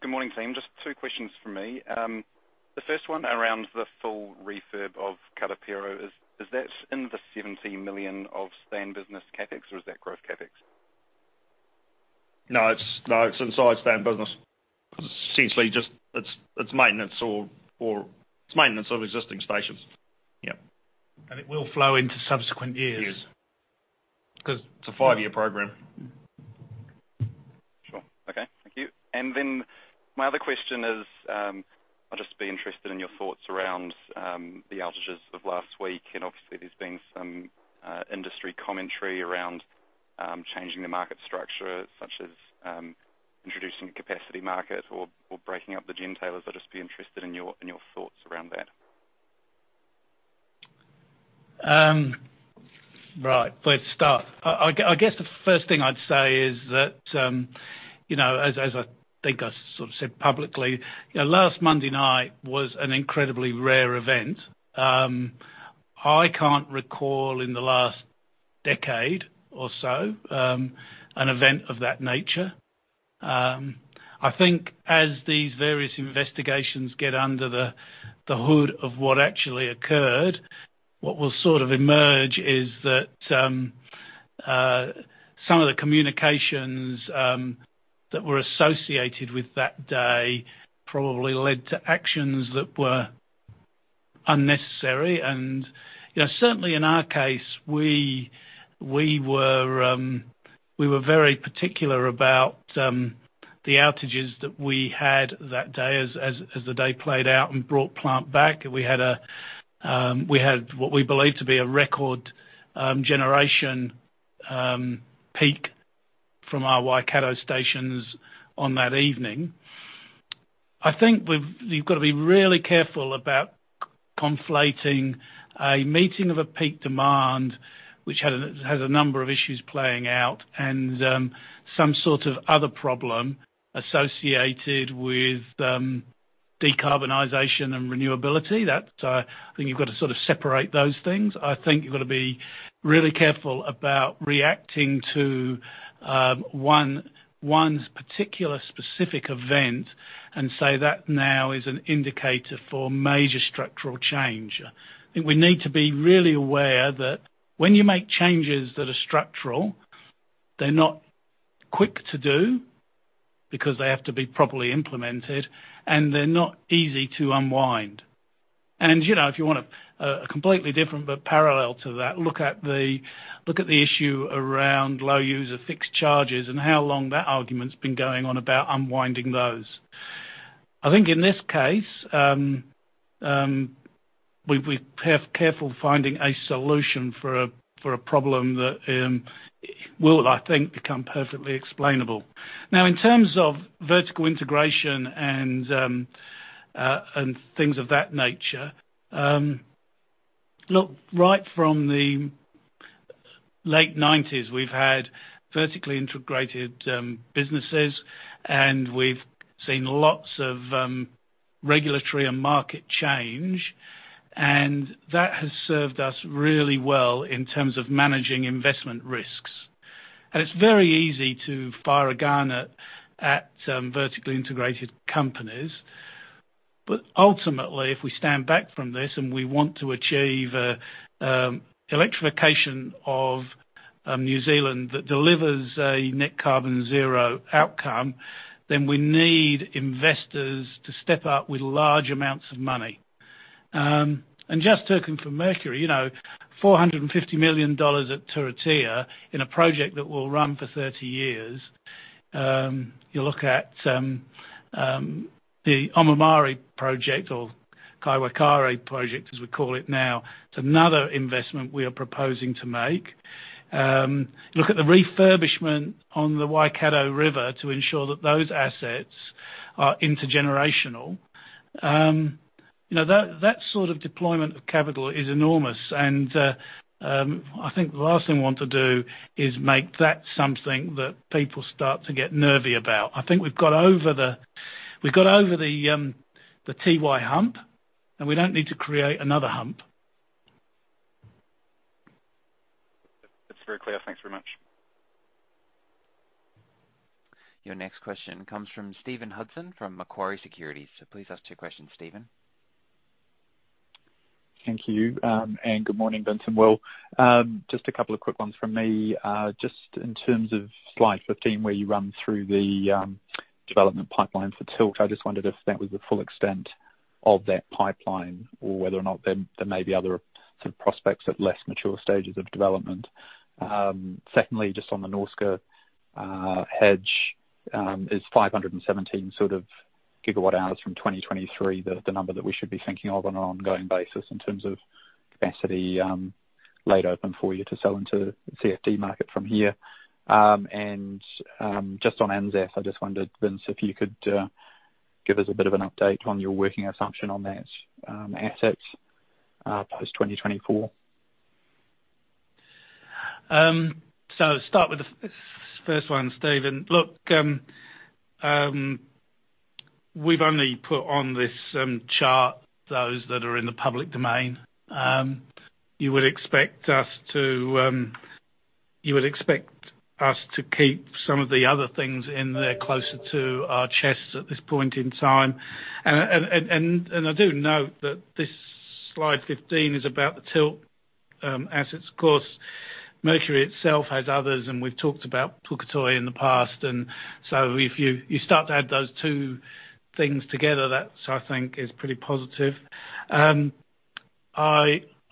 Good morning, team. Just two questions from me. The first one around the full refurb of Karāpiro. Is that in the 70 million of stay in business CapEx or is that growth CapEx? No, it's inside stay in business. Essentially, it's maintenance of existing stations. Yep. It will flow into subsequent years. Yes. Because it's a five-year program. Sure. Okay. Thank you. My other question is, I'll just be interested in your thoughts around, the outages of last week, and obviously there's been some industry commentary around changing the market structure, such as introducing a capacity market or breaking up the gentailers. I'll just be interested in your thoughts around that. Right. Where to start? I guess the first thing I'd say is that, as I think I sort of said publicly, last Monday night was an incredibly rare event. I can't recall in the last decade or so, an event of that nature. I think as these various investigations get under the hood of what actually occurred, what will sort of emerge is that some of the communications that were associated with that day probably led to actions that were unnecessary. Certainly in our case, we were very particular about the outages that we had that day as the day played out and brought plant back. We had what we believe to be a record generation peak from our Waikato stations on that evening. I think you've got to be really careful about conflating a meeting of a peak demand, which has a number of issues playing out and some sort of other problem associated with decarbonization and renewability. I think you've got to sort of separate those things. I think you've got to be really careful about reacting to one's particular specific event and say that now is an indicator for major structural change. I think we need to be really aware that when you make changes that are structural, they're not quick to do because they have to be properly implemented and they're not easy to unwind. If you want a completely different, but parallel to that, look at the issue around low user fixed charges and how long that argument's been going on about unwinding those. I think in this case, we're careful finding a solution for a problem that will, I think, become perfectly explainable. Now, in terms of vertical integration and things of that nature. Look, right from the late 1990s, we've had vertically integrated businesses, and we've seen lots of regulatory and market change, and that has served us really well in terms of managing investment risks. It's very easy to fire a gun at vertically integrated companies. Ultimately, if we stand back from this and we want to achieve electrification of New Zealand that delivers a net carbon zero outcome, then we need investors to step up with large amounts of money. Just talking for Mercury, 450 million dollars at Turitea in a project that will run for 30 years. You look at the Omamari project or Kaiwaikawe project as we call it now, it's another investment we are proposing to make. Look at the refurbishment on the Waikato River to ensure that those assets are intergenerational. That sort of deployment of capital is enormous. I think the last thing we want to do is make that something that people start to get nervy about. I think we've got over the Tiwai hump. We don't need to create another hump. That's very clear. Thanks very much. Your next question comes from Stephen Hudson, from Macquarie Securities. Please ask your question, Stephen. Thank you, good morning, Vince. Well, just a couple of quick ones from me. Just in terms of slide 15 where you run through the development pipeline for Tilt, I just wondered if that was the full extent of that pipeline or whether or not there may be other sort of prospects at less mature stages of development. Secondly, just on the Norske Skog hedge, is 517 GWh from 2023 the number that we should be thinking of on an ongoing basis in terms of capacity, laid open for you to sell into the CFD market from here? Just on Norske Skog, I just wondered, Vince, if you could give us a bit of an update on your working assumption on that asset, post 2024. Start with the first one, Stephen. We've only put on this chart those that are in the public domain. You would expect us to keep some of the other things in there closer to our chests at this point in time. I do note that this slide 15 is about the Tilt assets. Of course, Mercury itself has others, and we've talked about Puketoi in the past. If you start to add those two things together, that, I think, is pretty positive.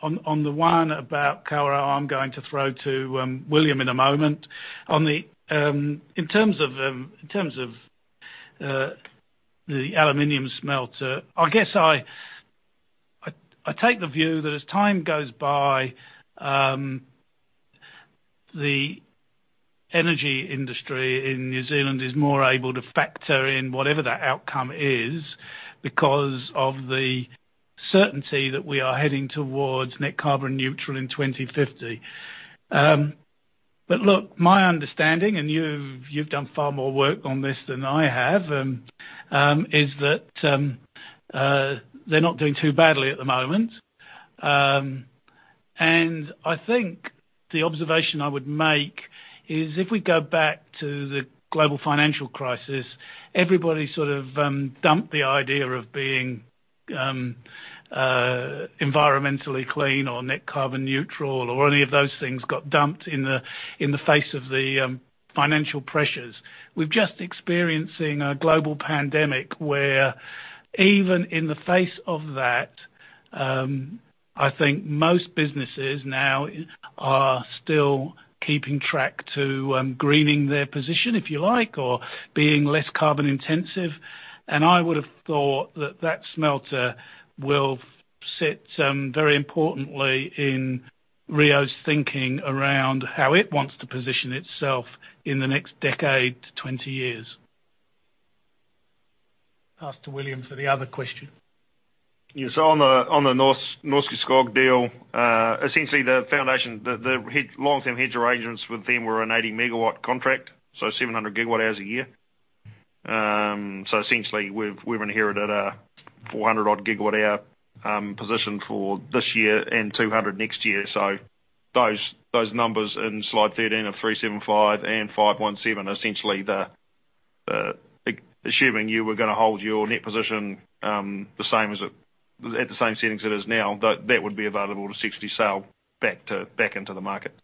On the one about Kawerau, I'm going to throw to William in a moment. In terms of the aluminium smelter, I guess I take the view that as time goes by, the energy industry in New Zealand is more able to factor in whatever that outcome is because of the certainty that we are heading towards net carbon neutral in 2050. Look, my understanding, and you've done far more work on this than I have, is that they're not doing too badly at the moment. I think the observation I would make is if we go back to the global financial crisis, everybody sort of dumped the idea of being environmentally clean or net carbon neutral, or any of those things got dumped in the face of the financial pressures. We're just experiencing a global pandemic where even in the face of that, I think most businesses now are still keeping track to greening their position, if you like, or being less carbon intensive. I would have thought that that smelter will sit very importantly in Rio's thinking around how it wants to position itself in the next decade to 20 years. Pass to William for the other question. Yes. On the Norske Skog deal, essentially the foundation, the long-term hedge arrangements with them were an 80 MW contract, so 700 GWh a year. Essentially we've inherited a 400-odd GWh position for this year and 200 GWh next year. Those numbers in slide 13 are 375 GWh and 517 GWh are essentially assuming you were going to hold your net position at the same settings it is now, that would be available to 60 GWh sale back into the market.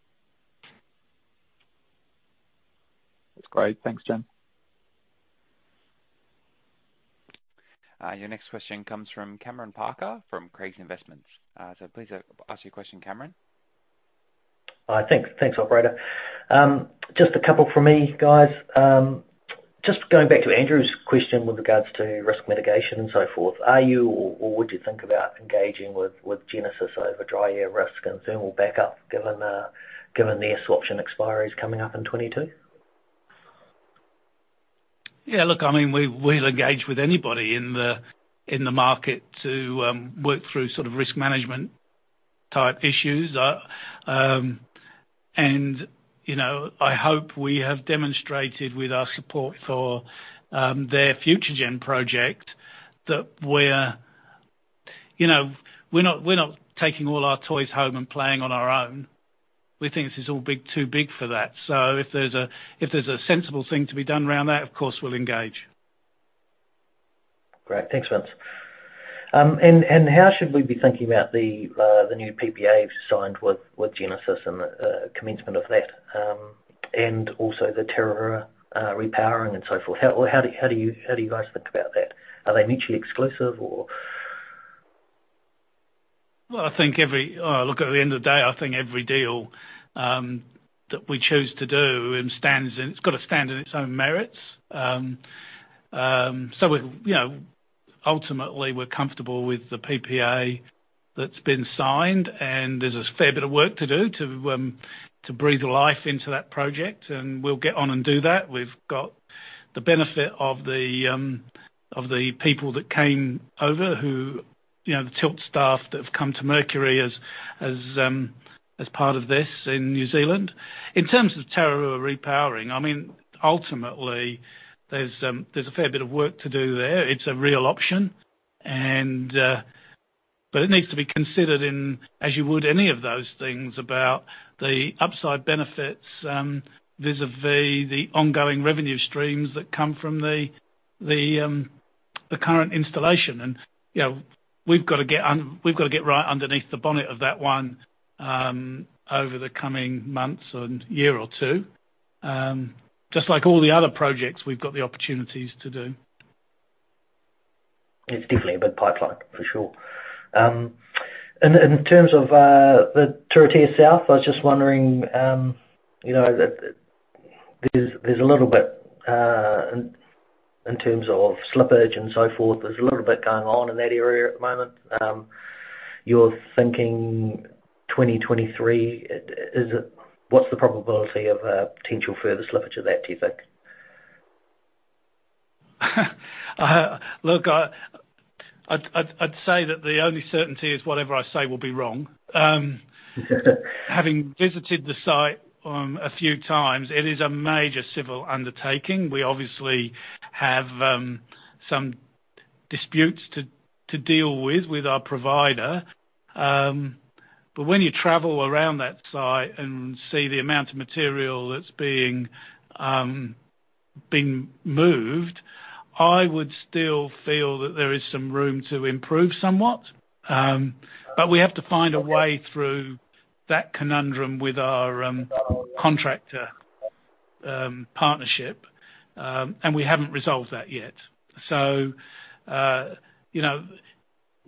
That's great. Thanks, gents. Your next question comes from Cameron Parker from Craigs Investments. Please ask your question, Cameron. Thanks, operator. Just a couple from me, guys. Just going back to Andrew's question with regards to risk mitigation and so forth. Are you or would you think about engaging with Genesis over dry air risk and thermal backup given their swap option expiry is coming up in 2022? Yeah, look, we'll engage with anybody in the market to work through risk management type issues. I hope we have demonstrated with our support for their FutureGen project that we're not taking all our toys home and playing on our own. We think this is all big, too big for that. If there's a sensible thing to be done around that, of course we'll engage. Great. Thanks, Vince. How should we be thinking about the new PPAs signed with Genesis and the commencement of that, also the Tararua repowering and so forth? How do you guys think about that? Are they mutually exclusive or? Look, at the end of the day, I think every deal that we choose to do, it's got to stand on its own merits. Ultimately we're comfortable with the PPA that's been signed, and there's a fair bit of work to do to breathe life into that project, and we'll get on and do that. We've got the benefit of the people that came over, the Tilt staff that have come to Mercury as part of this in New Zealand. In terms of Tararua repowering, ultimately there's a fair bit of work to do there. It's a real option. It needs to be considered in, as you would any of those things about the upside benefits vis-a-vis the ongoing revenue streams that come from the current installation. We've got to get right underneath the bonnet of that one over the coming months and year or two. Just like all the other projects we've got the opportunities to do. It's definitely a big pipeline, for sure. In terms of the Turitea South, I was just wondering, there's a little bit in terms of slippage and so forth. There's a little bit going on in that area at the moment. You're thinking 2023. What's the probability of a potential further slippage of that, do you think? I'd say that the only certainty is whatever I say will be wrong. Having visited the site a few times, it is a major civil undertaking. We obviously have some disputes to deal with our provider. When you travel around that site and see the amount of material that's being moved, I would still feel that there is some room to improve somewhat. We have to find a way through that conundrum with our contractor partnership. We haven't resolved that yet.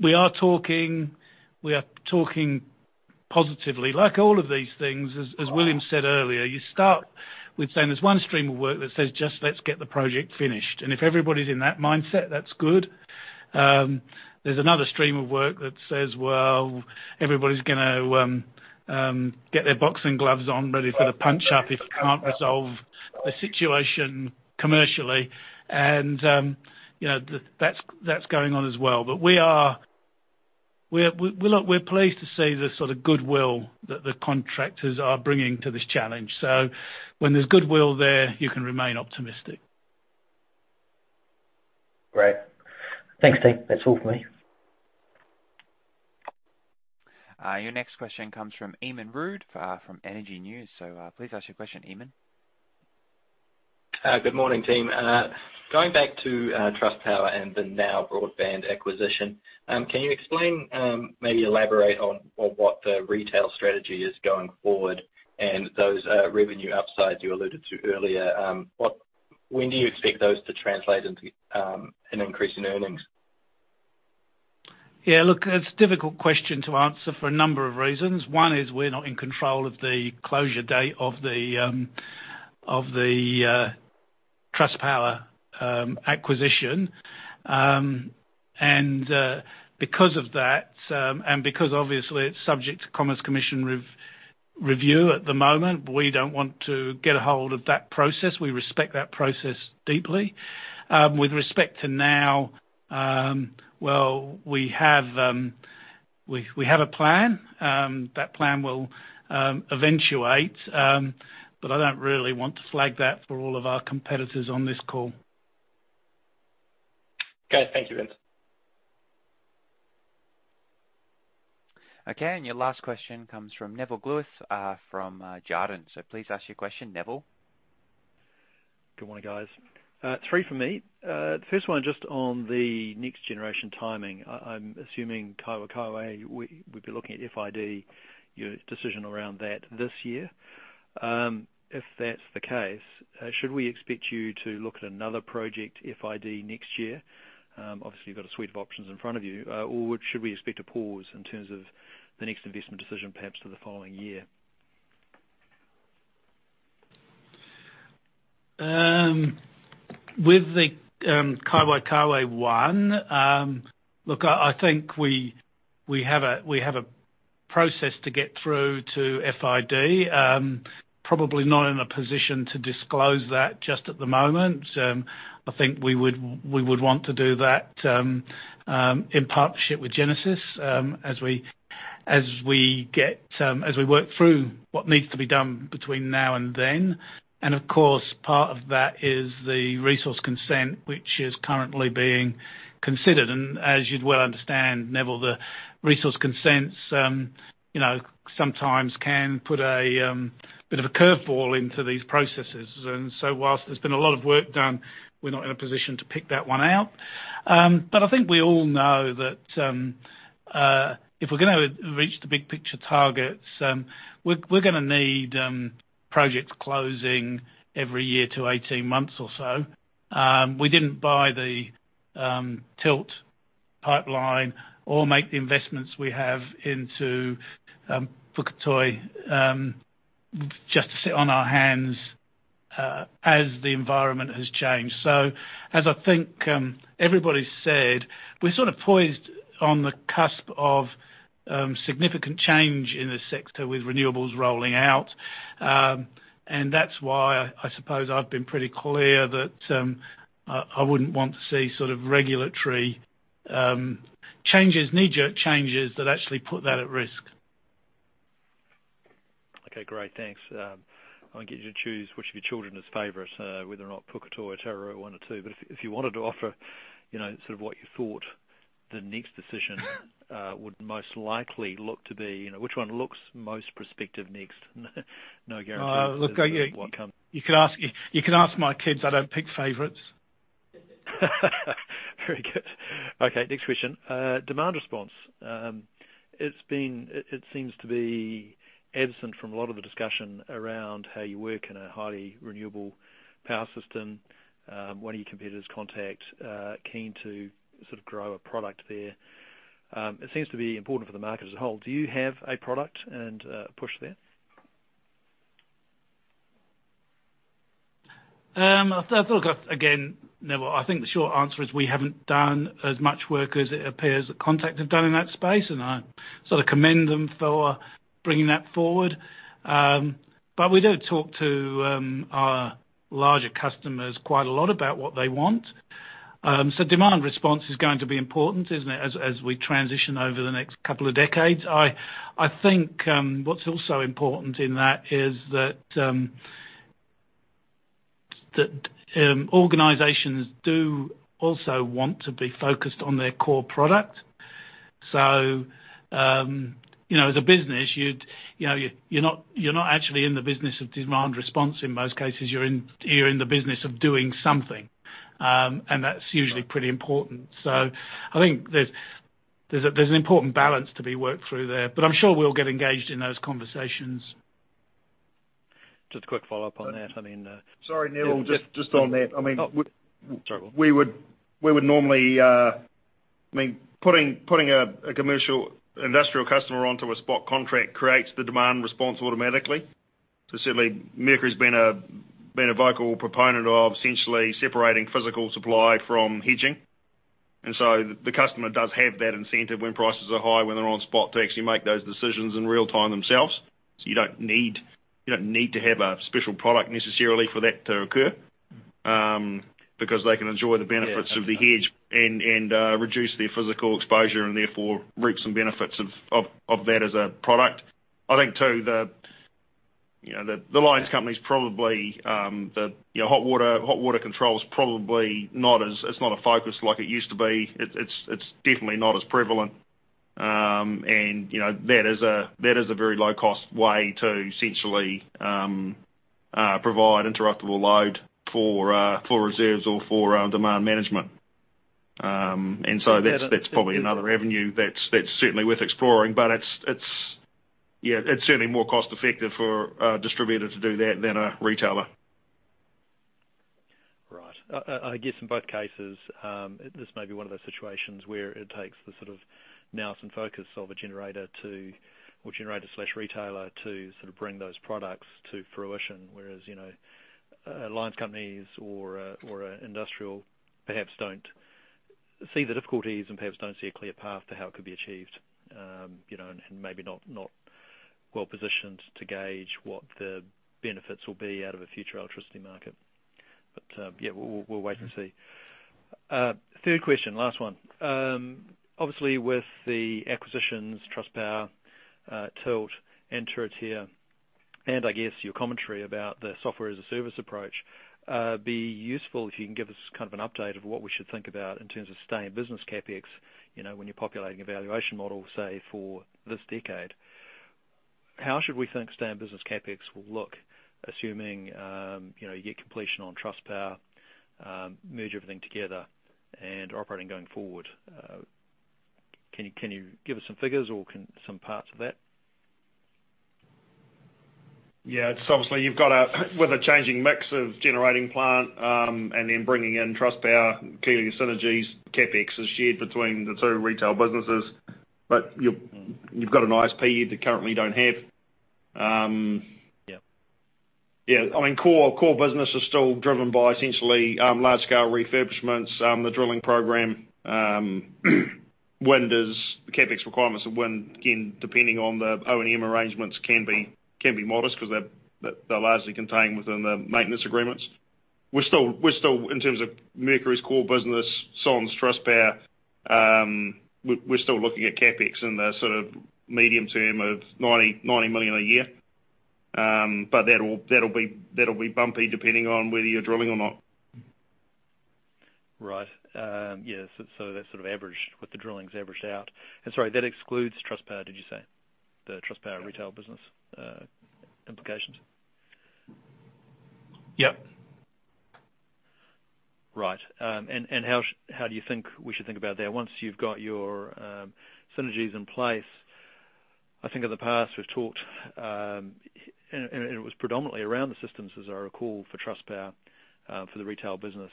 We are talking positively. Like all of these things, as William said earlier, you start with saying there's one stream of work that says, "Just let's get the project finished." If everybody's in that mindset, that's good. There's another stream of work that says, "Well, everybody's going to get their boxing gloves on, ready for the punch up if we can't resolve the situation commercially." That's going on as well. We're pleased to see the goodwill that the contractors are bringing to this challenge. When there's goodwill there, you can remain optimistic. Great. Thanks, team. That's all from me. Your next question comes from Eamon Rood, from Energy News. Please ask your question, Eamon. Good morning, team. Going back to Trustpower and the Now Broadband acquisition. Can you explain, maybe elaborate on what the retail strategy is going forward and those revenue upsides you alluded to earlier? When do you expect those to translate into an increase in earnings? Look, it's a difficult question to answer for a number of reasons. One is we're not in control of the closure date of the Trustpower acquisition. Because of that, and because obviously it's subject to Commerce Commission review at the moment, we don't want to get ahold of that process. We respect that process deeply. With respect to now, well, we have a plan. That plan will eventuate. I don't really want to flag that for all of our competitors on this call. Okay. Thank you, Vince. Okay. Your last question comes from Nevill Gluyas, from Jarden. Please ask your question, Nevill. Good morning, guys. Three from me. The first one just on the next generation timing. I'm assuming Kaiwaikawe, we'd be looking at FID, your decision around that this year. If that's the case, should we expect you to look at another project FID next year? Obviously, you've got a suite of options in front of you. Should we expect a pause in terms of the next investment decision, perhaps for the following year? With the Kaiwaikawe one, look, I think we have a process to get through to FID. Probably not in a position to disclose that just at the moment. I think we would want to do that in partnership with Genesis as we work through what needs to be done between now and then. Of course, part of that is the resource consent, which is currently being considered. As you'd well understand, Nevill, the resource consents sometimes can put a bit of a curve ball into these processes. While there's been a lot of work done, we're not in a position to pick that one out. I think we all know that if we're going to reach the big picture targets, we're going to need projects closing every year to 18 months or so. We didn't buy the Tilt pipeline or make the investments we have into Puketoi just to sit on our hands as the environment has changed. As I think everybody's said, we're sort of poised on the cusp of significant change in the sector with renewables rolling out. That's why I suppose I've been pretty clear that I wouldn't want to see regulatory changes, knee-jerk changes that actually put that at risk. Okay, great. Thanks. I won't get you to choose which of your children is favorite, whether or not Puketoi or Tararua one or two, but if you wanted to offer, sort of what you thought the next decision would most likely look to be, which one looks most prospective next? No guarantees as to what comes. Look, you can ask my kids, I don't pick favorites. Very good. Next question. Demand response. It seems to be absent from a lot of the discussion around how you work in a highly renewable power system. One of your competitors, Contact Energy, keen to sort of grow a product there. It seems to be important for the market as a whole. Do you have a product and a push there? Look, again, Nevill, I think the short answer is we haven't done as much work as it appears that Contact have done in that space, and I sort of commend them for bringing that forward. We do talk to our larger customers quite a lot about what they want. Demand response is going to be important, isn't it, as we transition over the next couple of decades. I think what's also important in that is that organizations do also want to be focused on their core product. As a business, you're not actually in the business of demand response in most cases. You're in the business of doing something, and that's usually pretty important. I think there's an important balance to be worked through there, but I'm sure we'll get engaged in those conversations. Just a quick follow-up on that. Sorry, Nevill, just on that. Oh, sorry. Putting a commercial industrial customer onto a spot contract creates the demand response automatically. Certainly, Mercury's been a vocal proponent of essentially separating physical supply from hedging. The customer does have that incentive when prices are high, when they're on spot, to actually make those decisions in real time themselves. You don't need to have a special product necessarily for that to occur, because they can enjoy the benefits of the hedge and reduce their physical exposure and therefore reap some benefits of that as a product. I think, too, the lines company's probably the hot water control is probably not a focus like it used to be. It's definitely not as prevalent. That is a very low-cost way to essentially, provide interruptible load for reserves or for demand management. That's probably another avenue that's certainly worth exploring. It's certainly more cost-effective for a distributor to do that than a retailer. Right. I guess in both cases, this may be one of those situations where it takes the sort of nous and focus of a generator to, well, generator/retailer, to sort of bring those products to fruition. Whereas lines companies or industrial perhaps don't see the difficulties and perhaps don't see a clear path to how it could be achieved. Maybe not well-positioned to gauge what the benefits will be out of a future electricity market. Yeah, we'll wait and see. Third question, last one. Obviously with the acquisitions, Trustpower, Tilt, and Turitea, and I guess your commentary about the software-as-a-service approach, be useful if you can give us kind of an update of what we should think about in terms of stay-in-business CapEx, when you're populating a valuation model, say, for this decade. How should we think stay-in-business CapEx will look, assuming, you get completion on Trustpower, merge everything together and are operating going forward? Can you give us some figures or some parts of that? Yeah. Obviously, you've got a changing mix of generating plant, then bringing in Trustpower, clearly synergies, CapEx is shared between the two retail businesses. You've got an ISP you currently don't have. Yeah. Yeah. Core business is still driven by essentially, large-scale refurbishments, the drilling program. The CapEx requirements of wind, again, depending on the O&M arrangements, can be modest because they're largely contained within the maintenance agreements. In terms of Mercury's core business, on Trustpower, we're still looking at CapEx in the sort of medium term of 90 million a year. That'll be bumpy depending on whether you're drilling or not. Right. Yeah, that's sort of averaged, with the drillings averaged out. Sorry, that excludes Trustpower, did you say? The Trustpower retail business implications. Yep. Right. How do you think we should think about that once you've got your synergies in place? I think in the past we've talked, it was predominantly around the systems, as I recall, for Trustpower, for the retail business,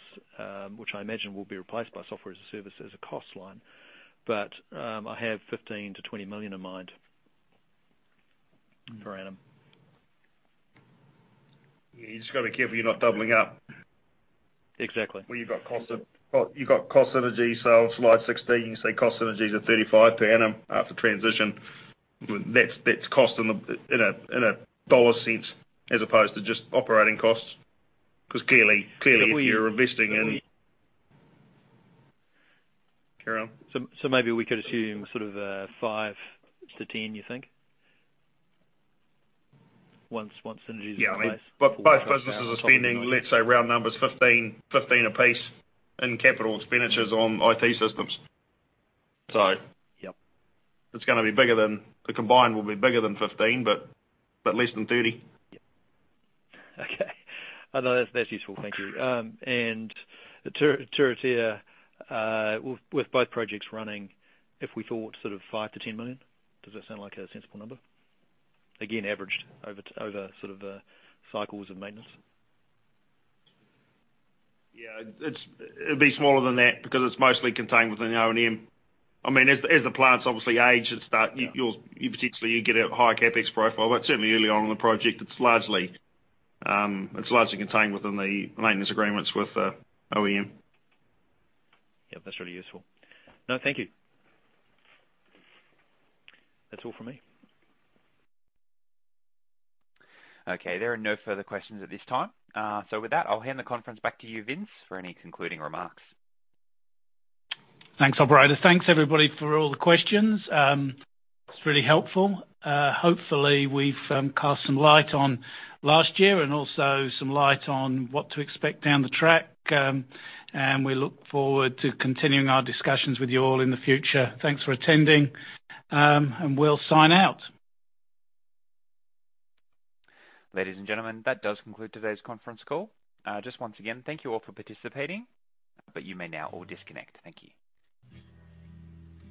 which I imagine will be replaced by software as a service as a cost line. I have 15 million-20 million in mind per annum. Yeah. You just got to be careful you're not doubling up. Exactly. Where you've got cost synergy, so slide 16, you can see cost synergies are 35 per annum after transition. That's cost in a dollar sense as opposed to just operating costs. Carry on. Maybe we could assume sort of 5 million to 10 million, you think? Once synergy is in place. Both businesses are spending, let's say round numbers, 15 million apiece in capital expenditures on IT systems. Yep. The combined will be bigger than 15 million, but less than 30 million. Yeah. Okay. No, that's useful. Thank you. Turitea, with both projects running, if we thought sort of 5 million-10 million, does that sound like a sensible number? Again, averaged over sort of cycles of maintenance. Yeah. It'd be smaller than that because it's mostly contained within the O&M. As the plants obviously age and start, you potentially get a higher CapEx profile, but certainly early on in the project, it's largely contained within the maintenance agreements with OEM. Yeah. That's really useful. No, thank you. That's all from me. Okay. There are no further questions at this time. With that, I'll hand the conference back to you, Vince, for any concluding remarks. Thanks, operator. Thanks, everybody, for all the questions. It's really helpful. Hopefully we've cast some light on last year and also some light on what to expect down the track. We look forward to continuing our discussions with you all in the future. Thanks for attending, and we'll sign out. Ladies and gentlemen, that does conclude today's conference call. Just once again, thank you all for participating, but you may now all disconnect. Thank you.